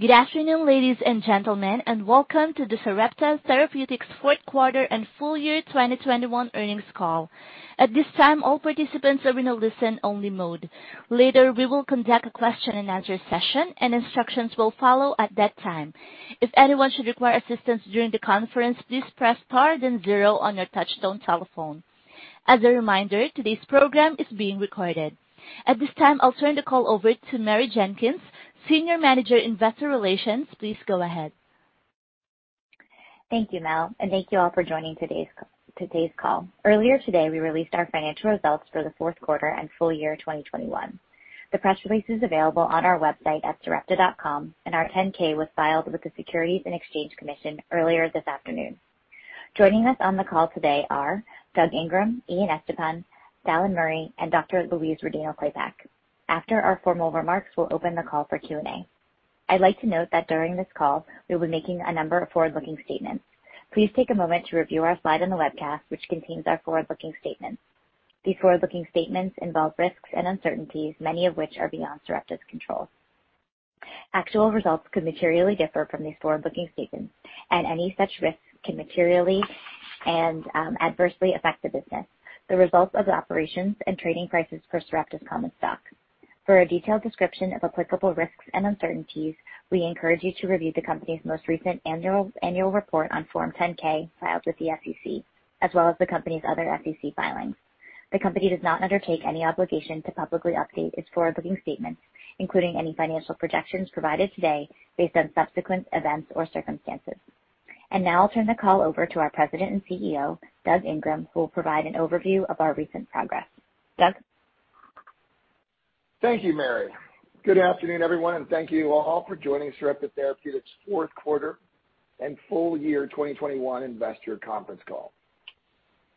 Good afternoon, ladies and gentlemen, and welcome to the Sarepta Therapeutics fourth quarter and full year 2021 earnings call. At this time, all participants are in a listen-only mode. Later, we will conduct a question-and-answer session and instructions will follow at that time. If anyone should require assistance during the conference, please press star then zero on your touchtone telephone. As a reminder, today's program is being recorded. At this time, I'll turn the call over to Mary Jenkins, Senior Manager, Investor Relations. Please go ahead. Thank you, Mel, and thank you all for joining today's call. Earlier today, we released our financial results for the fourth quarter and full year 2021. The press release is available on our website at sarepta.com, and our 10-K was filed with the Securities and Exchange Commission earlier this afternoon. Joining us on the call today are Doug Ingram, Ian Estepan, Dallan Murray, and Dr. Louise Rodino-Klapac. After our formal remarks, we'll open the call for Q&A. I'd like to note that during this call, we'll be making a number of forward-looking statements. Please take a moment to review our slide on the webcast, which contains our forward-looking statements. These forward-looking statements involve risks and uncertainties, many of which are beyond Sarepta's control. Actual results could materially differ from these forward-looking statements, and any such risks can materially and adversely affect the business. These results of operations and trading prices for Sarepta's common stock. For a detailed description of applicable risks and uncertainties, we encourage you to review the company's most recent annual report on Form 10-K filed with the SEC, as well as the company's other SEC filings. The company does not undertake any obligation to publicly update its forward-looking statements, including any financial projections provided today based on subsequent events or circumstances. Now I'll turn the call over to our President and CEO, Doug Ingram, who will provide an overview of our recent progress. Doug? Thank you, Mary. Good afternoon, everyone, and thank you all for joining Sarepta Therapeutics' fourth quarter and full year 2021 investor conference call.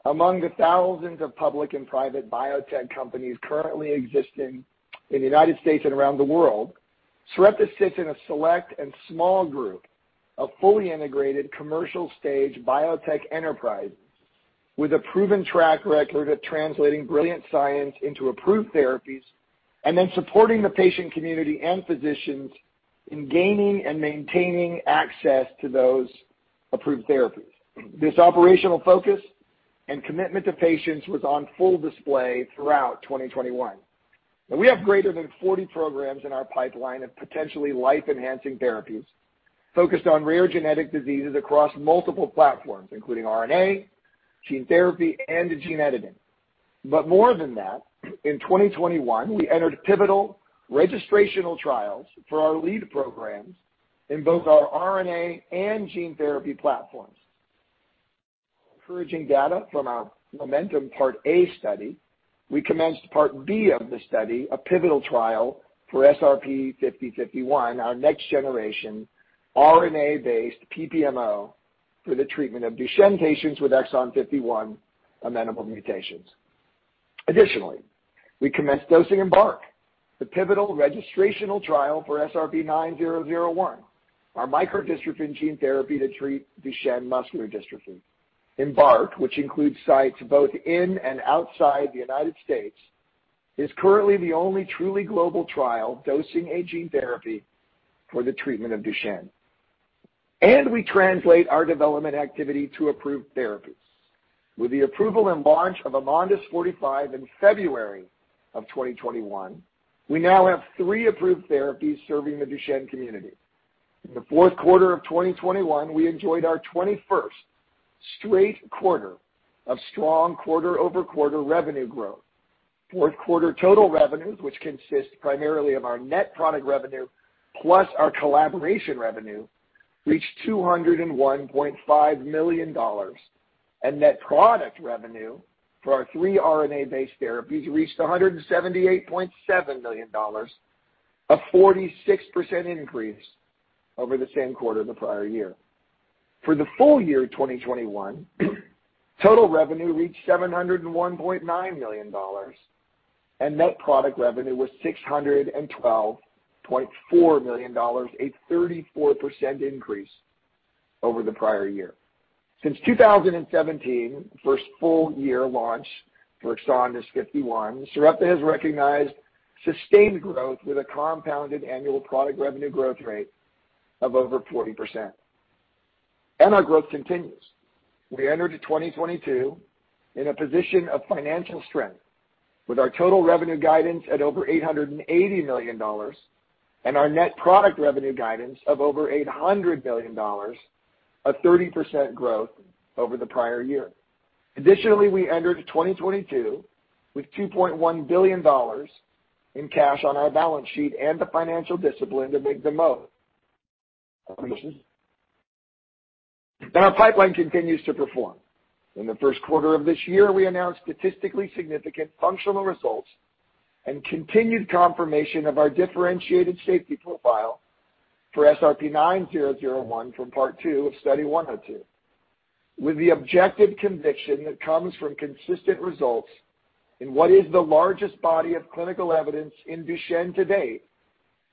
Among the thousands of public and private biotech companies currently existing in the United States and around the world, Sarepta sits in a select and small group of fully integrated commercial stage biotech enterprises with a proven track record of translating brilliant science into approved therapies and then supporting the patient community and physicians in gaining and maintaining access to those approved therapies. This operational focus and commitment to patients was on full display throughout 2021. Now, we have greater than 40 programs in our pipeline of potentially life-enhancing therapies focused on rare genetic diseases across multiple platforms, including RNA, gene therapy, and gene editing. More than that, in 2021, we entered pivotal registrational trials for our lead programs in both our RNA and gene therapy platforms. Encouraging data from our MOMENTUM Part A study, we commenced Part B of the study, a pivotal trial for SRP-5051, our next generation RNA-based PPMO for the treatment of Duchenne patients with exon 51 amenable mutations. Additionally, we commenced dosing EMBARK, the pivotal registrational trial for SRP-9001, our micro-dystrophin gene therapy to treat Duchenne muscular dystrophy. EMBARK, which includes sites both in and outside the U.S., is currently the only truly global trial dosing a gene therapy for the treatment of Duchenne. We translate our development activity to approved therapies. With the approval and launch of AMONDYS 45 in February of 2021, we now have three approved therapies serving the Duchenne community. In the fourth quarter of 2021, we enjoyed our 21st straight quarter of strong quarter-over-quarter revenue growth. Fourth quarter total revenues, which consist primarily of our net product revenue plus our collaboration revenue, reached $201.5 million. Net product revenue for our three RNA-based therapies reached $178.7 million, a 46% increase over the same quarter the prior year. For the full year 2021, total revenue reached $701.9 million, and net product revenue was $612.4 million, a 34% increase over the prior year. Since 2017, the first full year launch for EXONDYS 51, Sarepta has recognized sustained growth with a compounded annual product revenue growth rate of over 40%. Our growth continues. We entered into 2022 in a position of financial strength with our total revenue guidance at over $880 million and our net product revenue guidance of over $800 million, a 30% growth over the prior year. Additionally, we entered 2022 with $2.1 billion in cash on our balance sheet and the financial discipline to make the moves. Our pipeline continues to perform. In the first quarter of this year, we announced statistically significant functional results and continued confirmation of our differentiated safety profile for SRP-9001 from Part two of Study 102. With the objective conviction that comes from consistent results in what is the largest body of clinical evidence in Duchenne to date,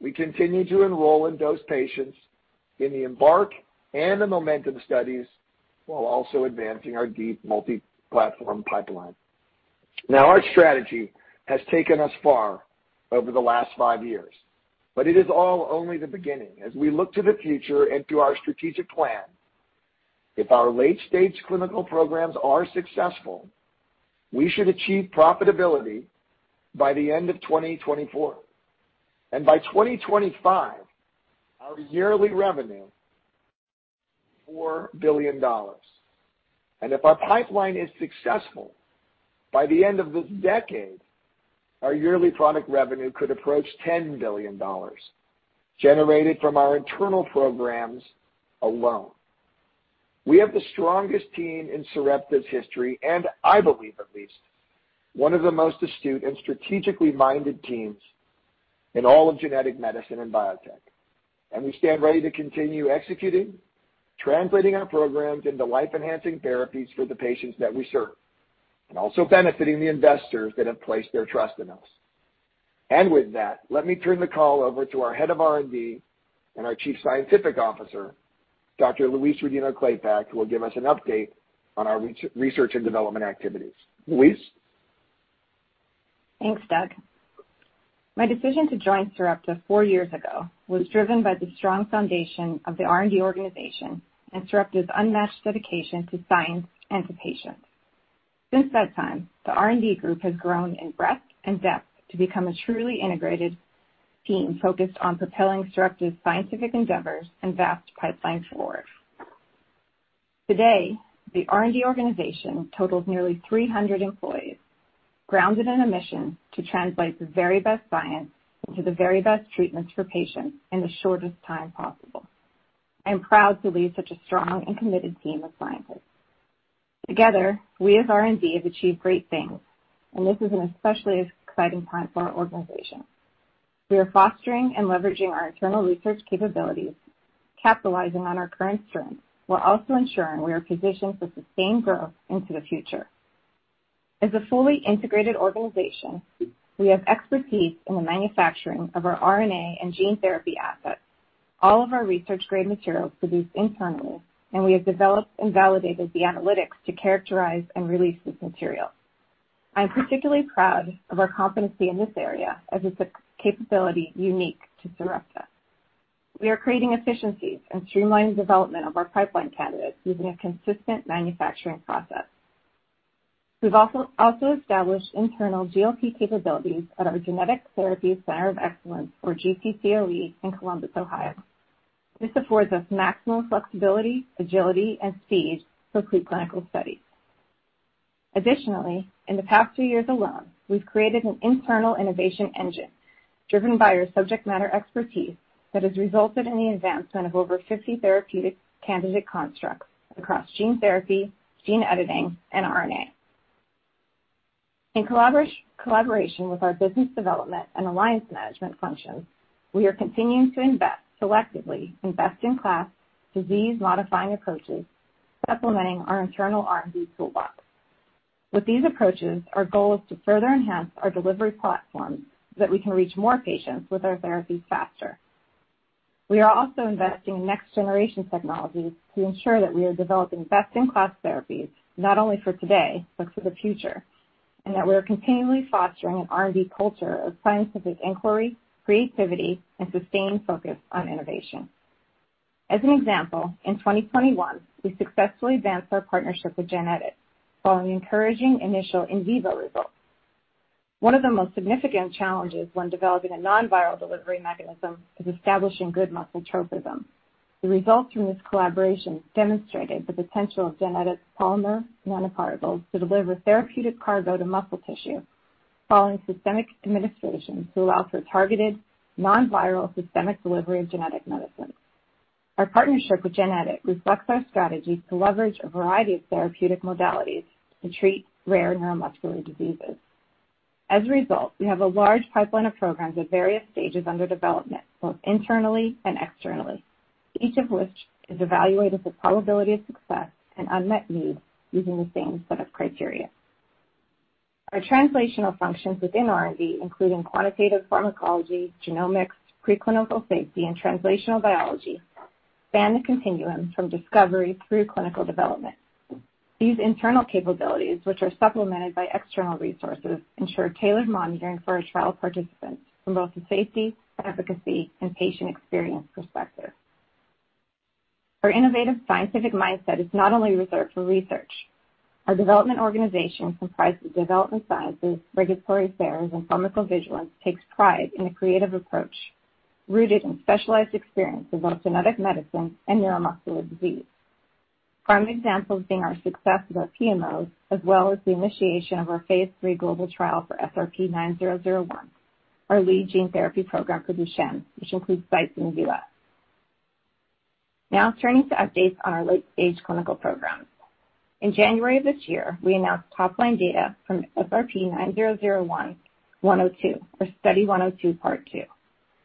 we continue to enroll and dose patients in the EMBARK and the Momentum studies while also advancing our deep multi-platform pipeline. Now our strategy has taken us far over the last five years, but it is all only the beginning. As we look to the future and to our strategic plan, if our late-stage clinical programs are successful, we should achieve profitability by the end of 2024. By 2025, our yearly revenue $4 billion. If our pipeline is successful, by the end of this decade, our yearly product revenue could approach $10 billion, generated from our internal programs alone. We have the strongest team in Sarepta's history, and I believe at least one of the most astute and strategically-minded teams in all of genetic medicine and biotech. We stand ready to continue executing, translating our programs into life-enhancing therapies for the patients that we serve, and also benefiting the investors that have placed their trust in us. With that, let me turn the call over to our head of R&D and our Chief Scientific Officer, Dr. Louise Rodino-Klapac, who will give us an update on our research and development activities. Louise. Thanks, Doug. My decision to join Sarepta four years ago was driven by the strong foundation of the R&D organization and Sarepta's unmatched dedication to science and to patients. Since that time, the R&D group has grown in breadth and depth to become a truly integrated team focused on propelling Sarepta's scientific endeavors and vast pipeline forward. Today, the R&D organization totals nearly 300 employees, grounded in a mission to translate the very best science into the very best treatments for patients in the shortest time possible. I am proud to lead such a strong and committed team of scientists. Together, we as R&D have achieved great things, and this is an especially exciting time for our organization. We are fostering and leveraging our internal research capabilities, capitalizing on our current strengths, while also ensuring we are positioned for sustained growth into the future. As a fully integrated organization, we have expertise in the manufacturing of our RNA and gene therapy assets, all of our research-grade materials produced internally, and we have developed and validated the analytics to characterize and release these materials. I'm particularly proud of our competency in this area as it's a capability unique to Sarepta. We are creating efficiencies and streamlining development of our pipeline candidates using a consistent manufacturing process. We've also established internal GLP capabilities at our Genetic Therapies Center of Excellence or GTCOE in Columbus, Ohio. This affords us maximum flexibility, agility, and speed for pre-clinical studies. Additionally, in the past two years alone, we've created an internal innovation engine driven by our subject matter expertise that has resulted in the advancement of over 50 therapeutic candidate constructs across gene therapy, gene editing, and RNA. In collaboration with our business development and alliance management functions, we are continuing to invest selectively in best-in-class disease-modifying approaches, supplementing our internal R&D toolbox. With these approaches, our goal is to further enhance our delivery platform so that we can reach more patients with our therapies faster. We are also investing in next-generation technologies to ensure that we are developing best-in-class therapies, not only for today, but for the future, and that we are continually fostering an R&D culture of scientific inquiry, creativity, and sustained focus on innovation. As an example, in 2021, we successfully advanced our partnership with GenEdit following encouraging initial in vivo results. One of the most significant challenges when developing a non-viral delivery mechanism is establishing good muscle tropism. The results from this collaboration demonstrated the potential of GenEdit's polymer nanoparticles to deliver therapeutic cargo to muscle tissue following systemic administration to allow for targeted, non-viral, systemic delivery of genetic medicines. Our partnership with GenEdit reflects our strategy to leverage a variety of therapeutic modalities to treat rare neuromuscular diseases. As a result, we have a large pipeline of programs at various stages under development, both internally and externally, each of which is evaluated for probability of success and unmet need using the same set of criteria. Our translational functions within R&D, including quantitative pharmacology, genomics, preclinical safety, and translational biology, span the continuum from discovery through clinical development. These internal capabilities, which are supplemented by external resources, ensure tailored monitoring for our trial participants from both a safety, efficacy, and patient experience perspective. Our innovative scientific mindset is not only reserved for research. Our development organization, comprised of development scientists, regulatory affairs, and pharmacovigilance, takes pride in a creative approach rooted in specialized experience of both genetic medicine and neuromuscular disease. Prime examples being our success with our PMOs, as well as the initiation of our phase III global trial for SRP-9001, our lead gene therapy program for Duchenne, which includes sites in the U.S. Now turning to updates on our late-stage clinical programs. In January of this year, we announced top-line data from SRP-9001-102, or Study 102, Part two,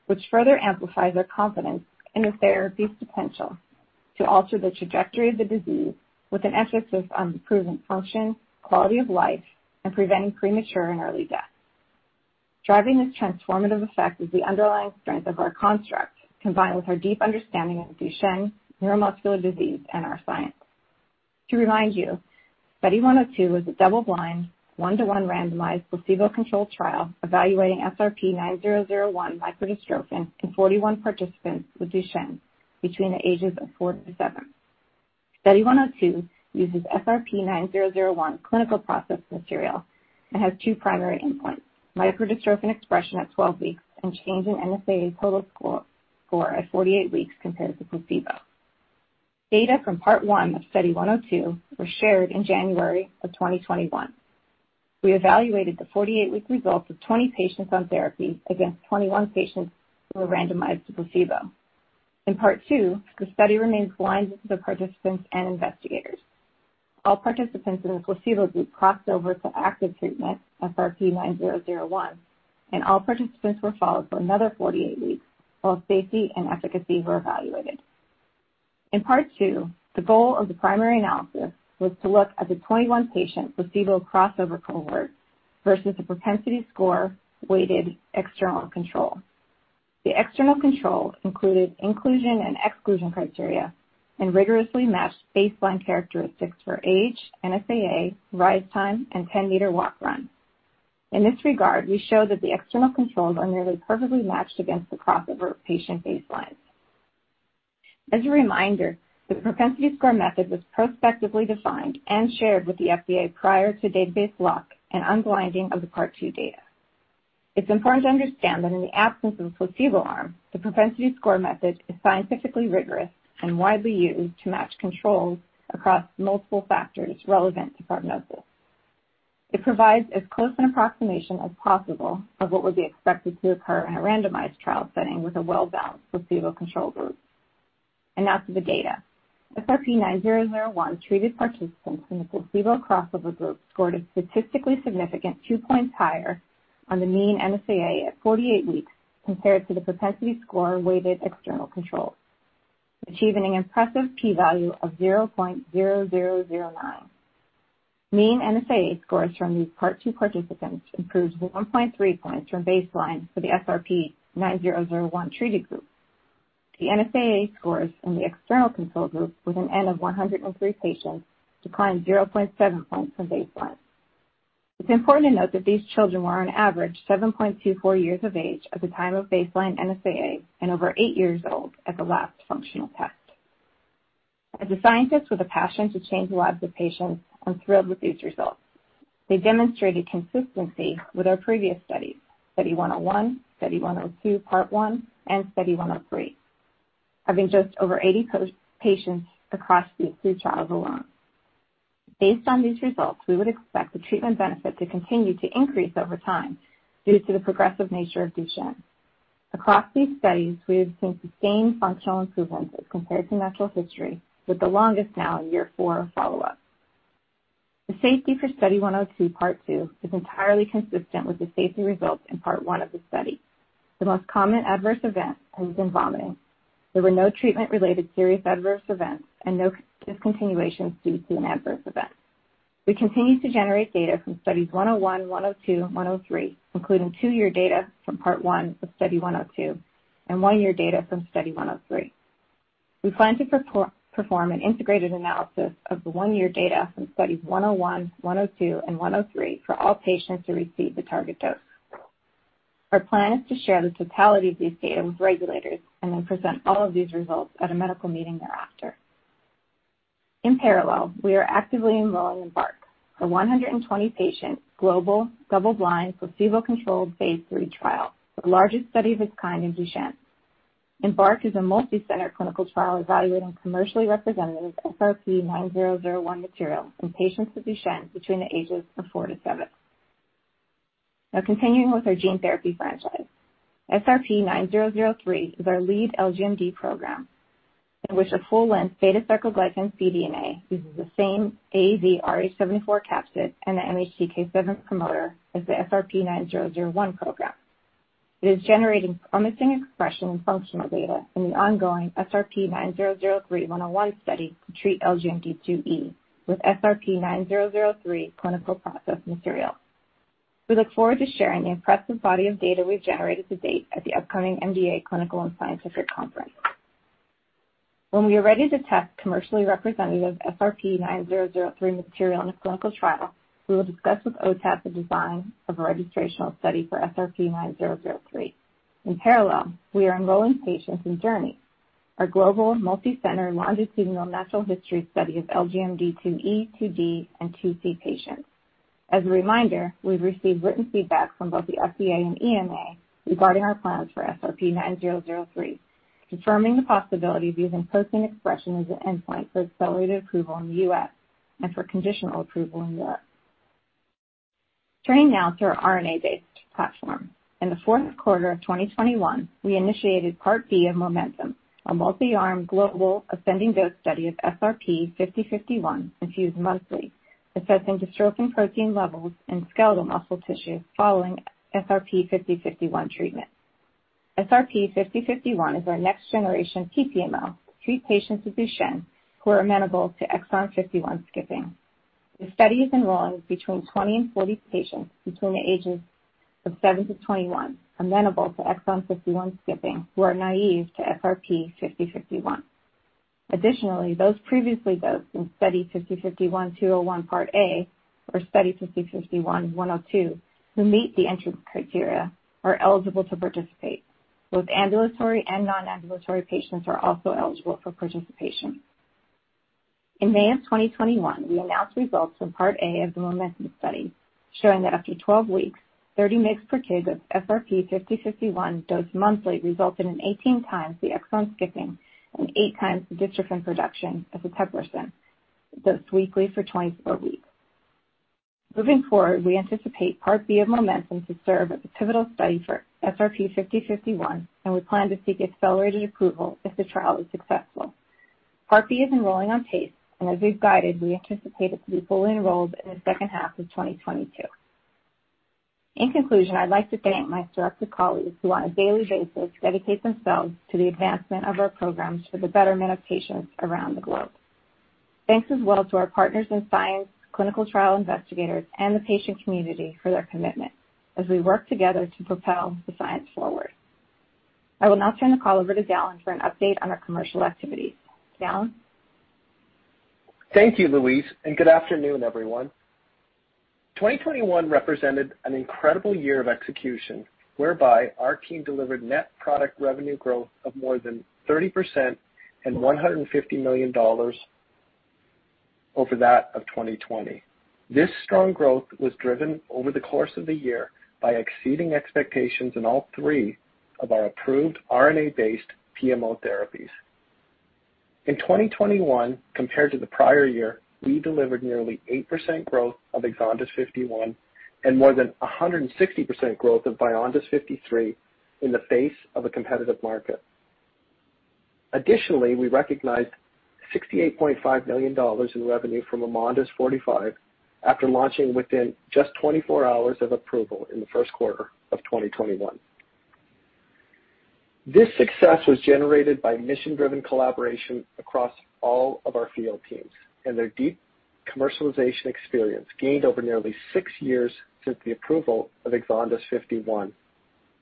which further amplifies our confidence in the therapy's potential to alter the trajectory of the disease with an emphasis on improving function, quality of life, and preventing premature and early death. Driving this transformative effect is the underlying strength of our construct, combined with our deep understanding of Duchenne, neuromuscular disease, and our science. To remind you, Study 102 was a double-blind, 1:1 randomized placebo-controlled trial evaluating SRP-9001 micro-dystrophin in 41 participants with Duchenne between the ages of four to seven. Study 102 uses SRP-9001 clinical process material and has two primary endpoints, micro-dystrophin expression at 12 weeks and change in NSAA total score at 48 weeks compared to placebo. Data from part one of Study 102 were shared in January 2021. We evaluated the 48-week results of 20 patients on therapy against 21 patients who were randomized to placebo. In part two, the study remains blind to the participants and investigators. All participants in the placebo group crossed over to active treatment, SRP-9001, and all participants were followed for another 48 weeks while safety and efficacy were evaluated. In part two, the goal of the primary analysis was to look at the 21-patient placebo crossover cohort versus the propensity score weighted external control. The external control included inclusion and exclusion criteria and rigorously matched baseline characteristics for age, NSAA, rise time, and 10-meter walk/run. In this regard, we show that the external controls are nearly perfectly matched against the crossover patient baseline. As a reminder, the propensity score method was prospectively defined and shared with the FDA prior to database lock and unblinding of the part two data. It's important to understand that in the absence of a placebo arm, the propensity score method is scientifically rigorous and widely used to match controls across multiple factors relevant to prognosis. It provides as close an approximation as possible of what would be expected to occur in a randomized trial setting with a well-balanced placebo control group. Now to the data. SRP-9001 treated participants in the placebo crossover group scored a statistically significant two points higher on the mean NSAA at 48 weeks compared to the propensity score weighted external controls, achieving an impressive P value of 0.0009. Mean NSAA scores from these part two participants improved 1.3 points from baseline for the SRP-9001 treated group. The NSAA scores in the external control group with an N of 103 patients declined 0.7 points from baseline. It's important to note that these children were on average 7.24 years of age at the time of baseline NSAA and over eight years old at the last functional test. As a scientist with a passion to change the lives of patients, I'm thrilled with these results. They demonstrated consistency with our previous studies, Study 101, Study 102, part one, and Study 103, having just over 80+ patients across these three trials alone. Based on these results, we would expect the treatment benefit to continue to increase over time due to the progressive nature of Duchenne. Across these studies, we have seen sustained functional improvements as compared to natural history, with the longest now in year four follow-up. The safety for Study 102, part two is entirely consistent with the safety results in part one of the study. The most common adverse event has been vomiting. There were no treatment-related serious adverse events and no discontinuations due to an adverse event. We continue to generate data from studies 101, 102, 103, including two-year data from part one of Study 102 and one-year data from Study 103. We plan to perform an integrated analysis of the one-year data from studies 101, 102, and 103 for all patients who received the target dose. Our plan is to share the totality of these data with regulators and then present all of these results at a medical meeting thereafter. In parallel, we are actively enrolling in EMBARK, a 120-patient global double-blind placebo-controlled phase III trial, the largest study of its kind in Duchenne. EMBARK is a multi-center clinical trial evaluating commercially representative SRP-9001 material in patients with Duchenne between the ages of four to seven. Now continuing with our gene therapy franchise. SRP-9003 is our lead LGMD program in which a full-length beta-sarcoglycan cDNA uses the same AAVrh74 capsid and the MHCK7 promoter as the SRP-9001 program. It is generating promising expression and functional data in the ongoing SRP-9003-101 study to treat LGMD 2E with SRP-9003 clinical process material. We look forward to sharing the impressive body of data we've generated to date at the upcoming MDA Clinical & Scientific Conference. When we are ready to test commercially representative SRP-9003 material in a clinical trial, we will discuss with OTAT the design of a registrational study for SRP-9003. In parallel, we are enrolling patients in JOURNEY, our global multi-center longitudinal natural history study of LGMD 2E, 2D, and 2C patients. As a reminder, we've received written feedback from both the FDA and EMA regarding our plans for SRP-9003, confirming the possibility of using protein expression as an endpoint for accelerated approval in the U.S. and for conditional approval in Europe. Turning now to our RNA-based platform. In the fourth quarter of 2021, we initiated part B of MOMENTUM, a multi-armed global ascending dose study of SRP-5051 infused monthly assessing dystrophin protein levels in skeletal muscle tissue following SRP-5051 treatment. SRP-5051 is our next generation PPMO to treat patients with Duchenne who are amenable to exon 51 skipping. The study is enrolling between 20 and 40 patients between the ages of 7 to 21 amenable to exon 51 skipping who are naive to SRP-5051. Additionally, those previously dosed in study 50/51, 201 part A or study 50/51, 102, who meet the entrance criteria are eligible to participate. Both ambulatory and non-ambulatory patients are also eligible for participation. In May 2021, we announced results from part A of the MOMENTUM study showing that after 12 weeks, 30 mg/kg of SRP-5051 dosed monthly resulted in 18 times the exon skipping and eight times the dystrophin production as eteplirsen dosed weekly for twice per week. Moving forward, we anticipate part B of MOMENTUM to serve as the pivotal study for SRP-5051, and we plan to seek accelerated approval if the trial is successful. Part B is enrolling on pace, and as we've guided, we anticipate it to be fully enrolled in the second half of 2022. In conclusion, I'd like to thank my Sarepta colleagues who on a daily basis dedicate themselves to the advancement of our programs for the betterment of patients around the globe. Thanks as well to our partners in science, clinical trial investigators and the patient community for their commitment as we work together to propel the science forward. I will now turn the call over to Dallan for an update on our commercial activities. Dallan? Thank you, Louise, and good afternoon, everyone. 2021 represented an incredible year of execution, whereby our team delivered net product revenue growth of more than 30% and $150 million over that of 2020. This strong growth was driven over the course of the year by exceeding expectations in all three of our approved RNA-based PMO therapies. In 2021, compared to the prior year, we delivered nearly 8% growth of EXONDYS 51 and more than 160% growth of VYONDYS 53 in the face of a competitive market. Additionally, we recognized $68.5 million in revenue from AMONDYS 45 after launching within just 24 hours of approval in the first quarter of 2021. This success was generated by mission-driven collaboration across all of our field teams and their deep commercialization experience gained over nearly six years since the approval of EXONDYS 51.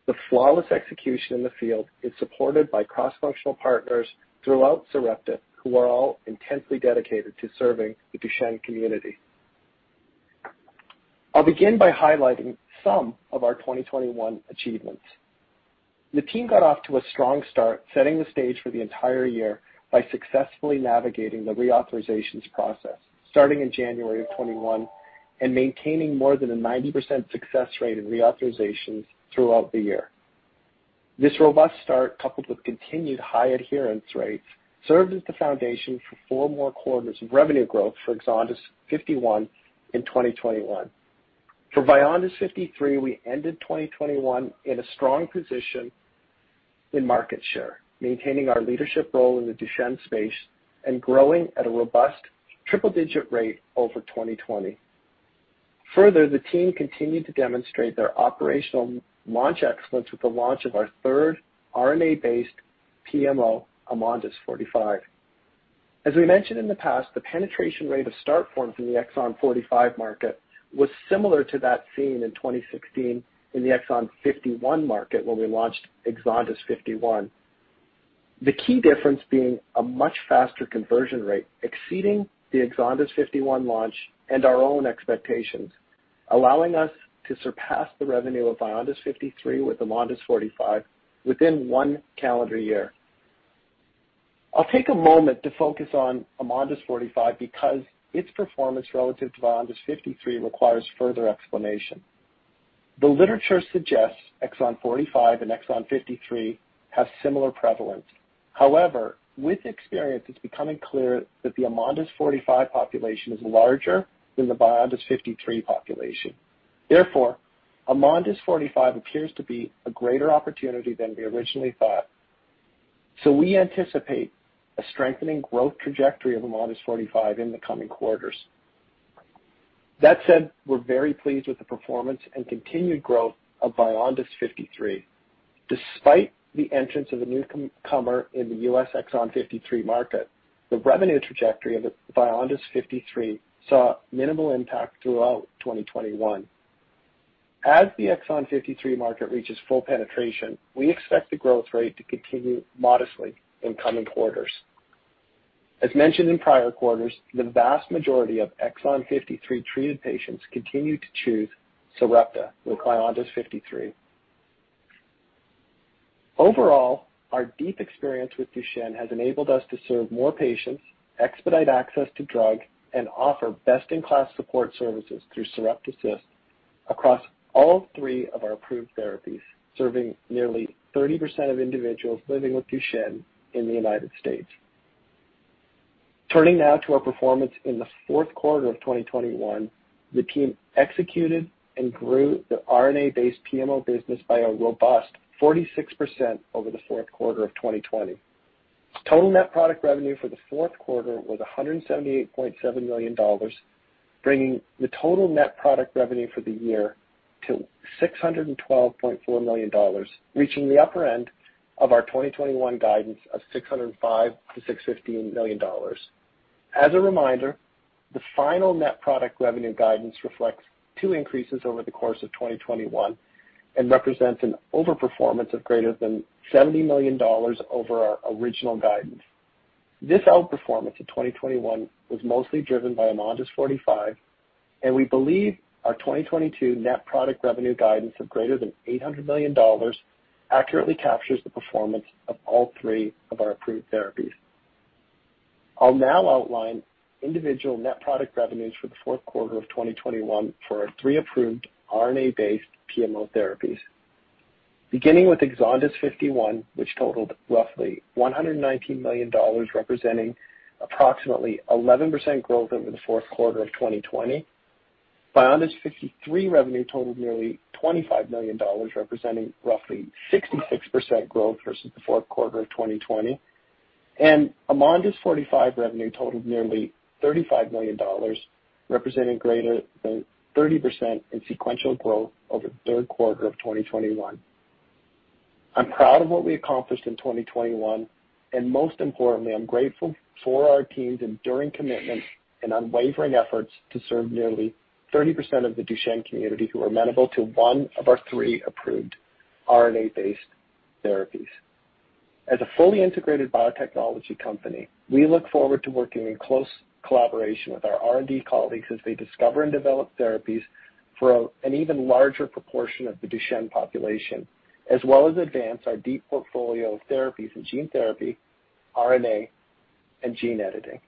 The flawless execution in the field is supported by cross-functional partners throughout Sarepta, who are all intensely dedicated to serving the Duchenne community. I'll begin by highlighting some of our 2021 achievements. The team got off to a strong start, setting the stage for the entire year by successfully navigating the reauthorizations process, starting in January of 2021 and maintaining more than a 90% success rate in reauthorizations throughout the year. This robust start, coupled with continued high adherence rates, served as the foundation for four more quarters of revenue growth for EXONDYS 51 in 2021. For VYONDYS 53, we ended 2021 in a strong position in market share, maintaining our leadership role in the Duchenne space and growing at a robust triple-digit rate over 2020. Further, the team continued to demonstrate their operational launch excellence with the launch of our third RNA-based PMO, AMONDYS 45. As we mentioned in the past, the penetration rate of start form from the exon 45 market was similar to that seen in 2016 in the exon 51 market when we launched EXONDYS 51. The key difference being a much faster conversion rate, exceeding the EXONDYS 51 launch and our own expectations, allowing us to surpass the revenue of VYONDYS 53 with AMONDYS 45 within one calendar year. I'll take a moment to focus on AMONDYS 45 because its performance relative to VYONDYS 53 requires further explanation. The literature suggests exon 45 and exon 53 have similar prevalence. However, with experience, it's becoming clear that the AMONDYS 45 population is larger than the VYONDYS 53 population. Therefore, AMONDYS 45 appears to be a greater opportunity than we originally thought. We anticipate a strengthening growth trajectory of AMONDYS 45 in the coming quarters. That said, we're very pleased with the performance and continued growth of VYONDYS 53. Despite the entrance of a newcomer in the U.S. exon 53 market, the revenue trajectory of VYONDYS 53 saw minimal impact throughout 2021. As the exon 53 market reaches full penetration, we expect the growth rate to continue modestly in coming quarters. As mentioned in prior quarters, the vast majority of exon 53 treated patients continue to choose Sarepta with VYONDYS 53. Overall, our deep experience with Duchenne has enabled us to serve more patients, expedite access to drug, and offer best-in-class support services through SareptAssist across all three of our approved therapies, serving nearly 30% of individuals living with Duchenne in the United States. Turning now to our performance in the fourth quarter of 2021, the team executed and grew the RNA-based PMO business by a robust 46% over the fourth quarter of 2020. Total net product revenue for the fourth quarter was $178.7 million, bringing the total net product revenue for the year to $612.4 million, reaching the upper end of our 2021 guidance of $605 million-$615 million. As a reminder, the final net product revenue guidance reflects two increases over the course of 2021 and represents an overperformance of greater than $70 million over our original guidance. This outperformance in 2021 was mostly driven by AMONDYS 45, and we believe our 2022 net product revenue guidance of greater than $800 million accurately captures the performance of all three of our approved therapies. I'll now outline individual net product revenues for the fourth quarter of 2021 for our three approved RNA-based PMO therapies. Beginning with EXONDYS 51, which totaled roughly $119 million, representing approximately 11% growth over the fourth quarter of 2020. VYONDYS 53 revenue totaled nearly $25 million, representing roughly 66% growth versus the fourth quarter of 2020. AMONDYS 45 revenue totaled nearly $35 million, representing greater than 30% in sequential growth over the third quarter of 2021. I'm proud of what we accomplished in 2021, and most importantly, I'm grateful for our team's enduring commitment and unwavering efforts to serve nearly 30% of the Duchenne community who are amenable to one of our three approved RNA-based therapies. As a fully integrated biotechnology company, we look forward to working in close collaboration with our R&D colleagues as they discover and develop therapies for an even larger proportion of the Duchenne population, as well as advance our deep portfolio of therapies in gene therapy, RNA, and gene editing.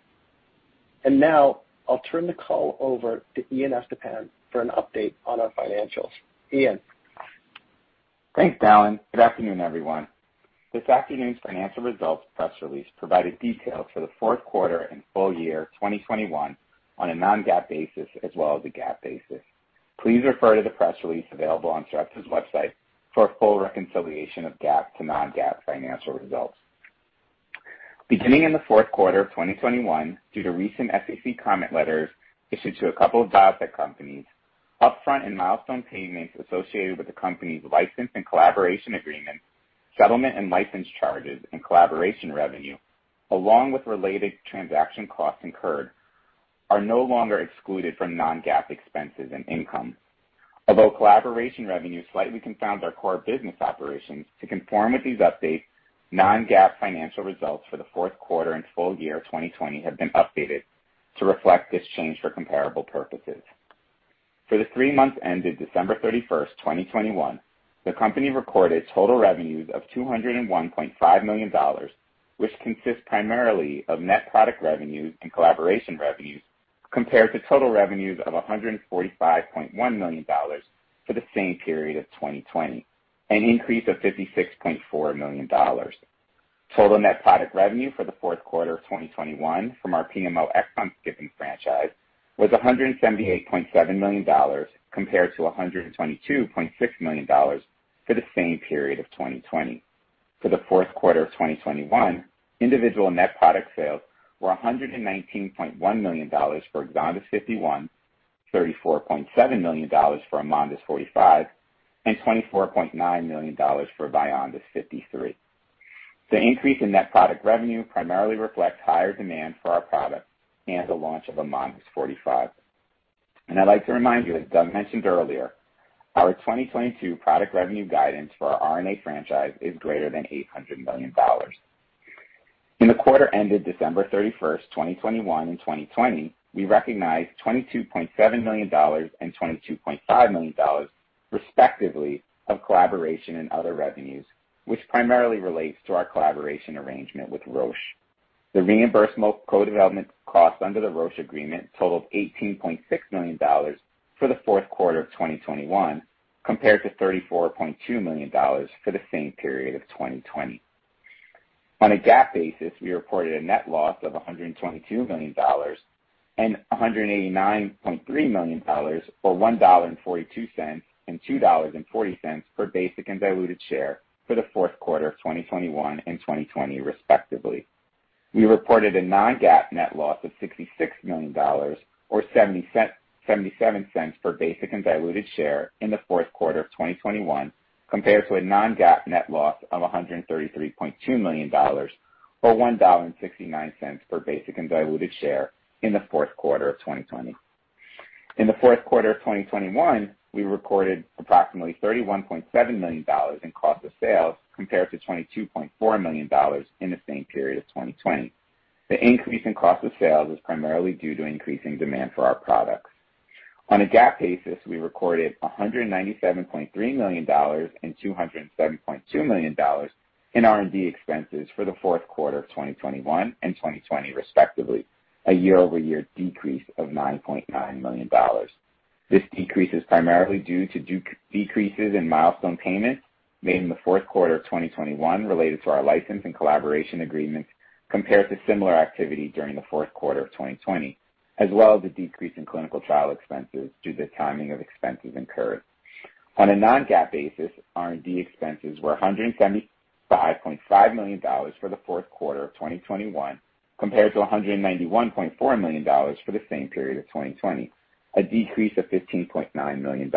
Now I'll turn the call over to Ian Estepan for an update on our financials. Ian. Thanks, Dallan. Good afternoon, everyone. This afternoon's financial results press release provided detail for the fourth quarter and full year 2021 on a non-GAAP basis as well as a GAAP basis. Please refer to the press release available on Sarepta's website for a full reconciliation of GAAP to non-GAAP financial results. Beginning in the fourth quarter of 2021, due to recent SEC comment letters issued to a couple of biotech companies, upfront and milestone payments associated with the company's license and collaboration agreements, settlement and license charges and collaboration revenue, along with related transaction costs incurred, are no longer excluded from non-GAAP expenses and income. Although collaboration revenue slightly confounds our core business operations, to conform with these updates, non-GAAP financial results for the fourth quarter and full year 2020 have been updated to reflect this change for comparable purposes. For the three months ended December 31st, 2021, the company recorded total revenues of $201.5 million, which consist primarily of net product revenues and collaboration revenues, compared to total revenues of $145.1 million for the same period of 2020, an increase of $56.4 million. Total net product revenue for the fourth quarter of 2021 from our PMO exon skipping franchise was $178.7 million compared to $122.6 million for the same period of 2020. For the fourth quarter of 2021, individual net product sales were $119.1 million for EXONDYS 51, $34.7 million for AMONDYS 45, and $24.9 million for VYONDYS 53. The increase in net product revenue primarily reflects higher demand for our products and the launch of AMONDYS 45. I'd like to remind you, as Doug mentioned earlier, our 2022 product revenue guidance for our RNA franchise is greater than $800 million. In the quarter ended December 31, 2021 and 2020, we recognized $22.7 million and $22.5 million respectively of collaboration and other revenues which primarily relates to our collaboration arrangement with Roche. The reimbursement co-development costs under the Roche agreement totaled $18.6 million for the fourth quarter of 2021, compared to $34.2 million for the same period of 2020. On a GAAP basis, we reported a net loss of $122 million and $189.3 million, or $1.42 and $2.40 per basic and diluted share for the fourth quarter of 2021 and 2020, respectively. We reported a non-GAAP net loss of $66 million or $0.77 per basic and diluted share in the fourth quarter of 2021, compared to a non-GAAP net loss of $133.2 million or $1.69 per basic and diluted share in the fourth quarter of 2020. In the fourth quarter of 2021, we recorded approximately $31.7 million in cost of sales, compared to $22.4 million in the same period of 2020. The increase in cost of sales is primarily due to increasing demand for our products. On a GAAP basis, we recorded $197.3 million and $207.2 million in R&D expenses for the fourth quarter of 2021 and 2020, respectively, a year-over-year decrease of $9.9 million. This decrease is primarily due to decreases in milestone payments made in the fourth quarter of 2021 related to our license and collaboration agreements, compared to similar activity during the fourth quarter of 2020, as well as a decrease in clinical trial expenses due to the timing of expenses incurred. On a non-GAAP basis, R&D expenses were $175.5 million for the fourth quarter of 2021 compared to $191.4 million for the same period of 2020, a decrease of $15.9 million.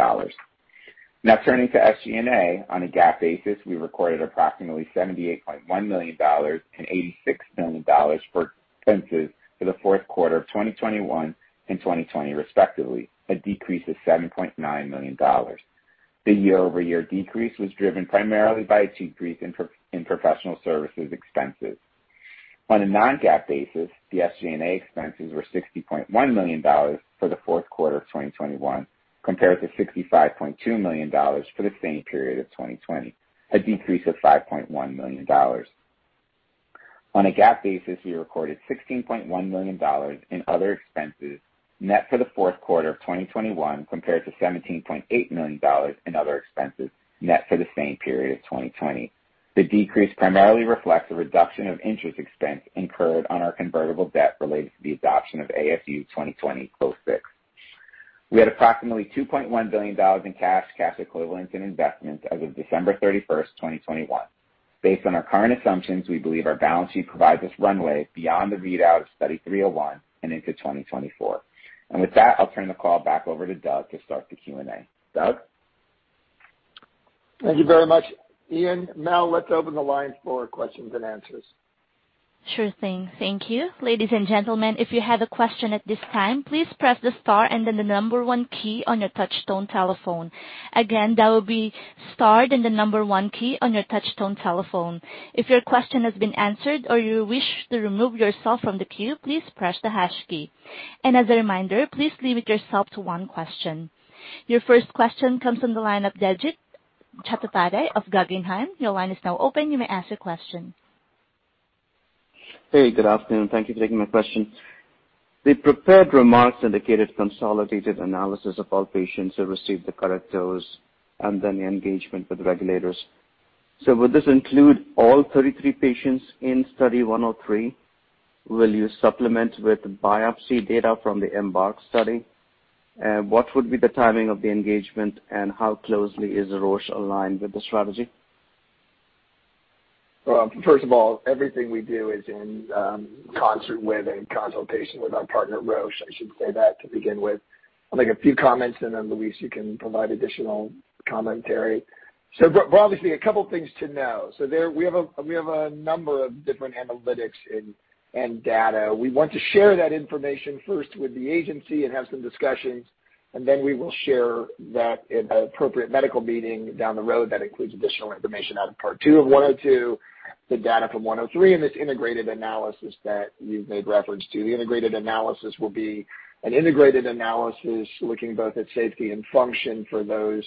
Now turning to SG&A. On a GAAP basis, we recorded approximately $78.1 million and $86 million for expenses for the fourth quarter of 2021 and 2020 respectively, a decrease of $7.9 million. The year-over-year decrease was driven primarily by a decrease in professional services expenses. On a non-GAAP basis, the SG&A expenses were $60.1 million for the fourth quarter of 2021 compared to $65.2 million for the same period of 2020, a decrease of $5.1 million. On a GAAP basis, we recorded $16.1 million in other expenses net for the fourth quarter of 2021 compared to $17.8 million in other expenses net for the same period of 2020. The decrease primarily reflects a reduction of interest expense incurred on our convertible debt related to the adoption of ASU 2020-06. We had approximately $2.1 billion in cash equivalents and investments as of December 31st, 2021. Based on our current assumptions, we believe our balance sheet provides us runway beyond the readout of Study 301 and into 2024. With that, I'll turn the call back over to Doug to start the Q&A. Doug? Thank you very much, Ian. Now let's open the lines for questions-and-answers. Sure thing. Thank you. Ladies and gentlemen, if you have a question at this time, please press the star and then the one key on your touch tone telephone. Again, that will be star then the one key on your touch tone telephone. If your question has been answered or you wish to remove yourself from the queue, please press the hash key. As a reminder, please limit yourself to one question. Your first question comes from the line of Debjit Chattopadhyay of Guggenheim. Your line is now open. You may ask your question. Hey, good afternoon. Thank you for taking my question. The prepared remarks indicated consolidated analysis of all patients who received the correct dose and then the engagement with the regulators. Would this include all 33 patients in Study 103? Will you supplement with biopsy data from the EMBARK study? And what would be the timing of the engagement, and how closely is Roche aligned with the strategy? Well, first of all, everything we do is in concert with and consultation with our partner, Roche. I should say that to begin with. I'll make a few comments, and then, Louise, you can provide additional commentary. Obviously a couple things to know. We have a number of different analytics and data. We want to share that information first with the agency and have some discussions, and then we will share that at an appropriate medical meeting down the road that includes additional information out of part 2 of 102, the data from 103, and this integrated analysis that you've made reference to. The integrated analysis will be an integrated analysis looking both at safety and function for those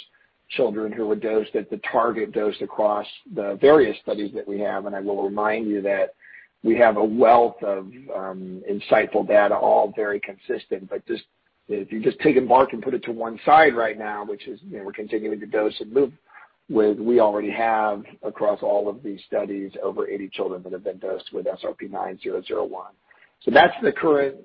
children who were dosed at the target dose across the various studies that we have. I will remind you that we have a wealth of insightful data, all very consistent. Just if you take EMBARK and put it to one side right now, which is, you know, we're continuing to dose and move with. We already have across all of these studies, over 80 children that have been dosed with SRP-9001. That's the current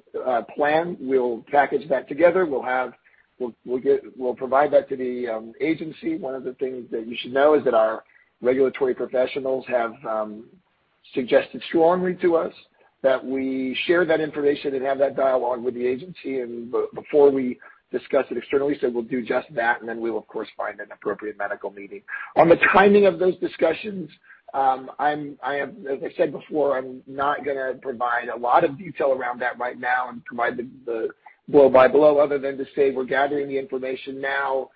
plan. We'll package that together. We'll get, we'll provide that to the agency. One of the things that you should know is that our regulatory professionals have suggested strongly to us that we share that information and have that dialogue with the agency before we discuss it externally. We'll do just that, and then we will, of course, find an appropriate medical meeting. On the timing of those discussions, as I said before, I'm not gonna provide a lot of detail around that right now and provide the blow by blow other than to say we're gathering the information now.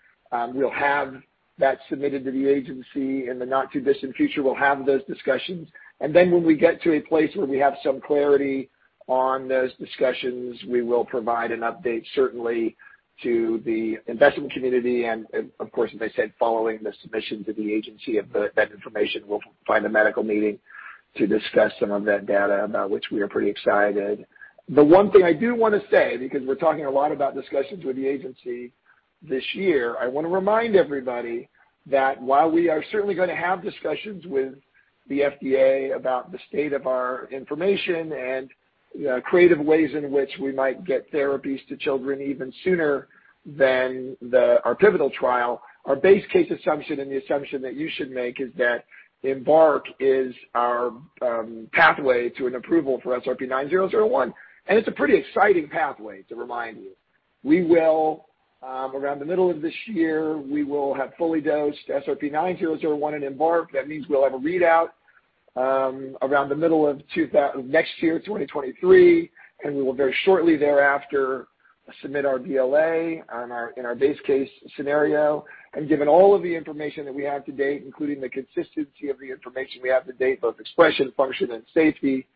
We'll have that submitted to the agency in the not too distant future. We'll have those discussions, and then when we get to a place where we have some clarity on those discussions, we will provide an update, certainly to the investment community. Of course, as I said, following the submission to the agency of that information, we'll find a medical meeting to discuss some of that data about which we are pretty excited. The one thing I do wanna say, because we're talking a lot about discussions with the agency this year, I wanna remind everybody that while we are certainly gonna have discussions with the FDA about the state of our information and, you know, creative ways in which we might get therapies to children even sooner than our pivotal trial, our base case assumption and the assumption that you should make is that EMBARK is our pathway to an approval for SRP-9001. It's a pretty exciting pathway to remind you. We will around the middle of this year, we will have fully dosed SRP-9001 in EMBARK. That means we'll have a readout around the middle of next year, 2023, and we will very shortly thereafter submit our BLA in our base case scenario. Given all of the information that we have to date, including the consistency of the information we have to date, both expression, function, and safety,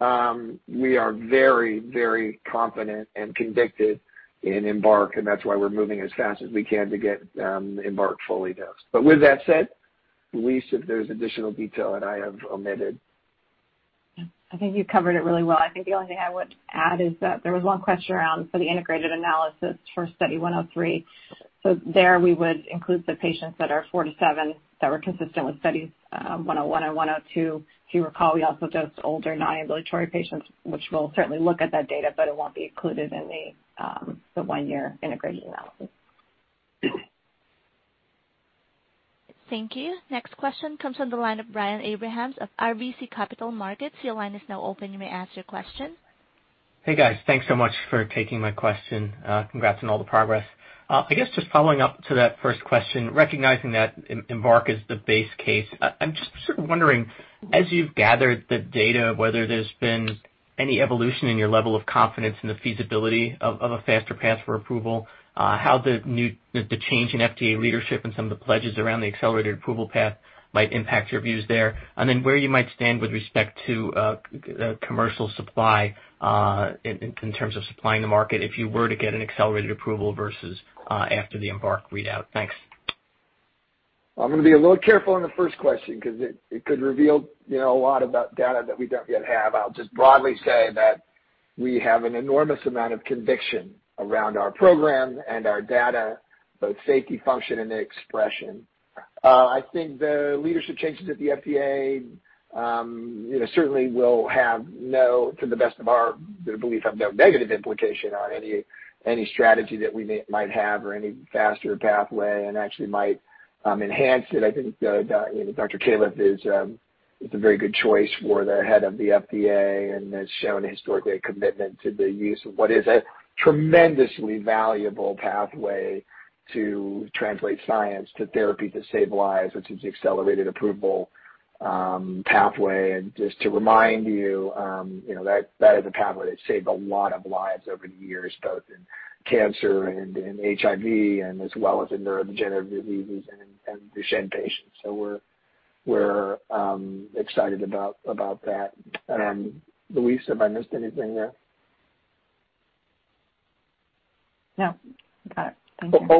we are very, very confident and convicted in EMBARK, and that's why we're moving as fast as we can to get EMBARK fully dosed. With that said, Louise, if there's additional detail that I have omitted. I think you covered it really well. I think the only thing I would add is that there was one question around sort of integrated analysis for Study 103. There, we would include the patients that are four to seven that were consistent with Studies 101 and 102. If you recall, we also dosed older non-ambulatory patients, which we'll certainly look at that data, but it won't be included in the one-year integrated analysis. Thank you. Next question comes from the line of Brian Abrahams of RBC Capital Markets. Your line is now open. You may ask your question. Hey, guys. Thanks so much for taking my question. Congrats on all the progress. I guess just following up to that first question, recognizing that EMBARK is the base case, I'm just sort of wondering, as you've gathered the data, whether there's been any evolution in your level of confidence in the feasibility of a faster path for approval, how the change in FDA leadership and some of the pledges around the accelerated approval path might impact your views there. Where you might stand with respect to commercial supply, in terms of supplying the market if you were to get an accelerated approval versus after the EMBARK readout. Thanks. I'm gonna be a little careful on the first question 'cause it could reveal, you know, a lot about data that we don't yet have. I'll just broadly say that we have an enormous amount of conviction around our program and our data, both safety, function, and the expression. I think the leadership changes at the FDA, you know, certainly will, to the best of our belief, have no negative implication on any strategy that we might have or any faster pathway and actually might enhance it. I think, you know, Robert Califf is a very good choice for the head of the FDA and has shown historically a commitment to the use of what is a tremendously valuable pathway to translate science to therapy to save lives, which is the accelerated approval pathway. Just to remind you know, that is a pathway that's saved a lot of lives over the years, both in cancer and in HIV and as well as in neurodegenerative diseases and in Duchenne patients. We're excited about that. Louise, have I missed anything there? No. You got it. Thank you. There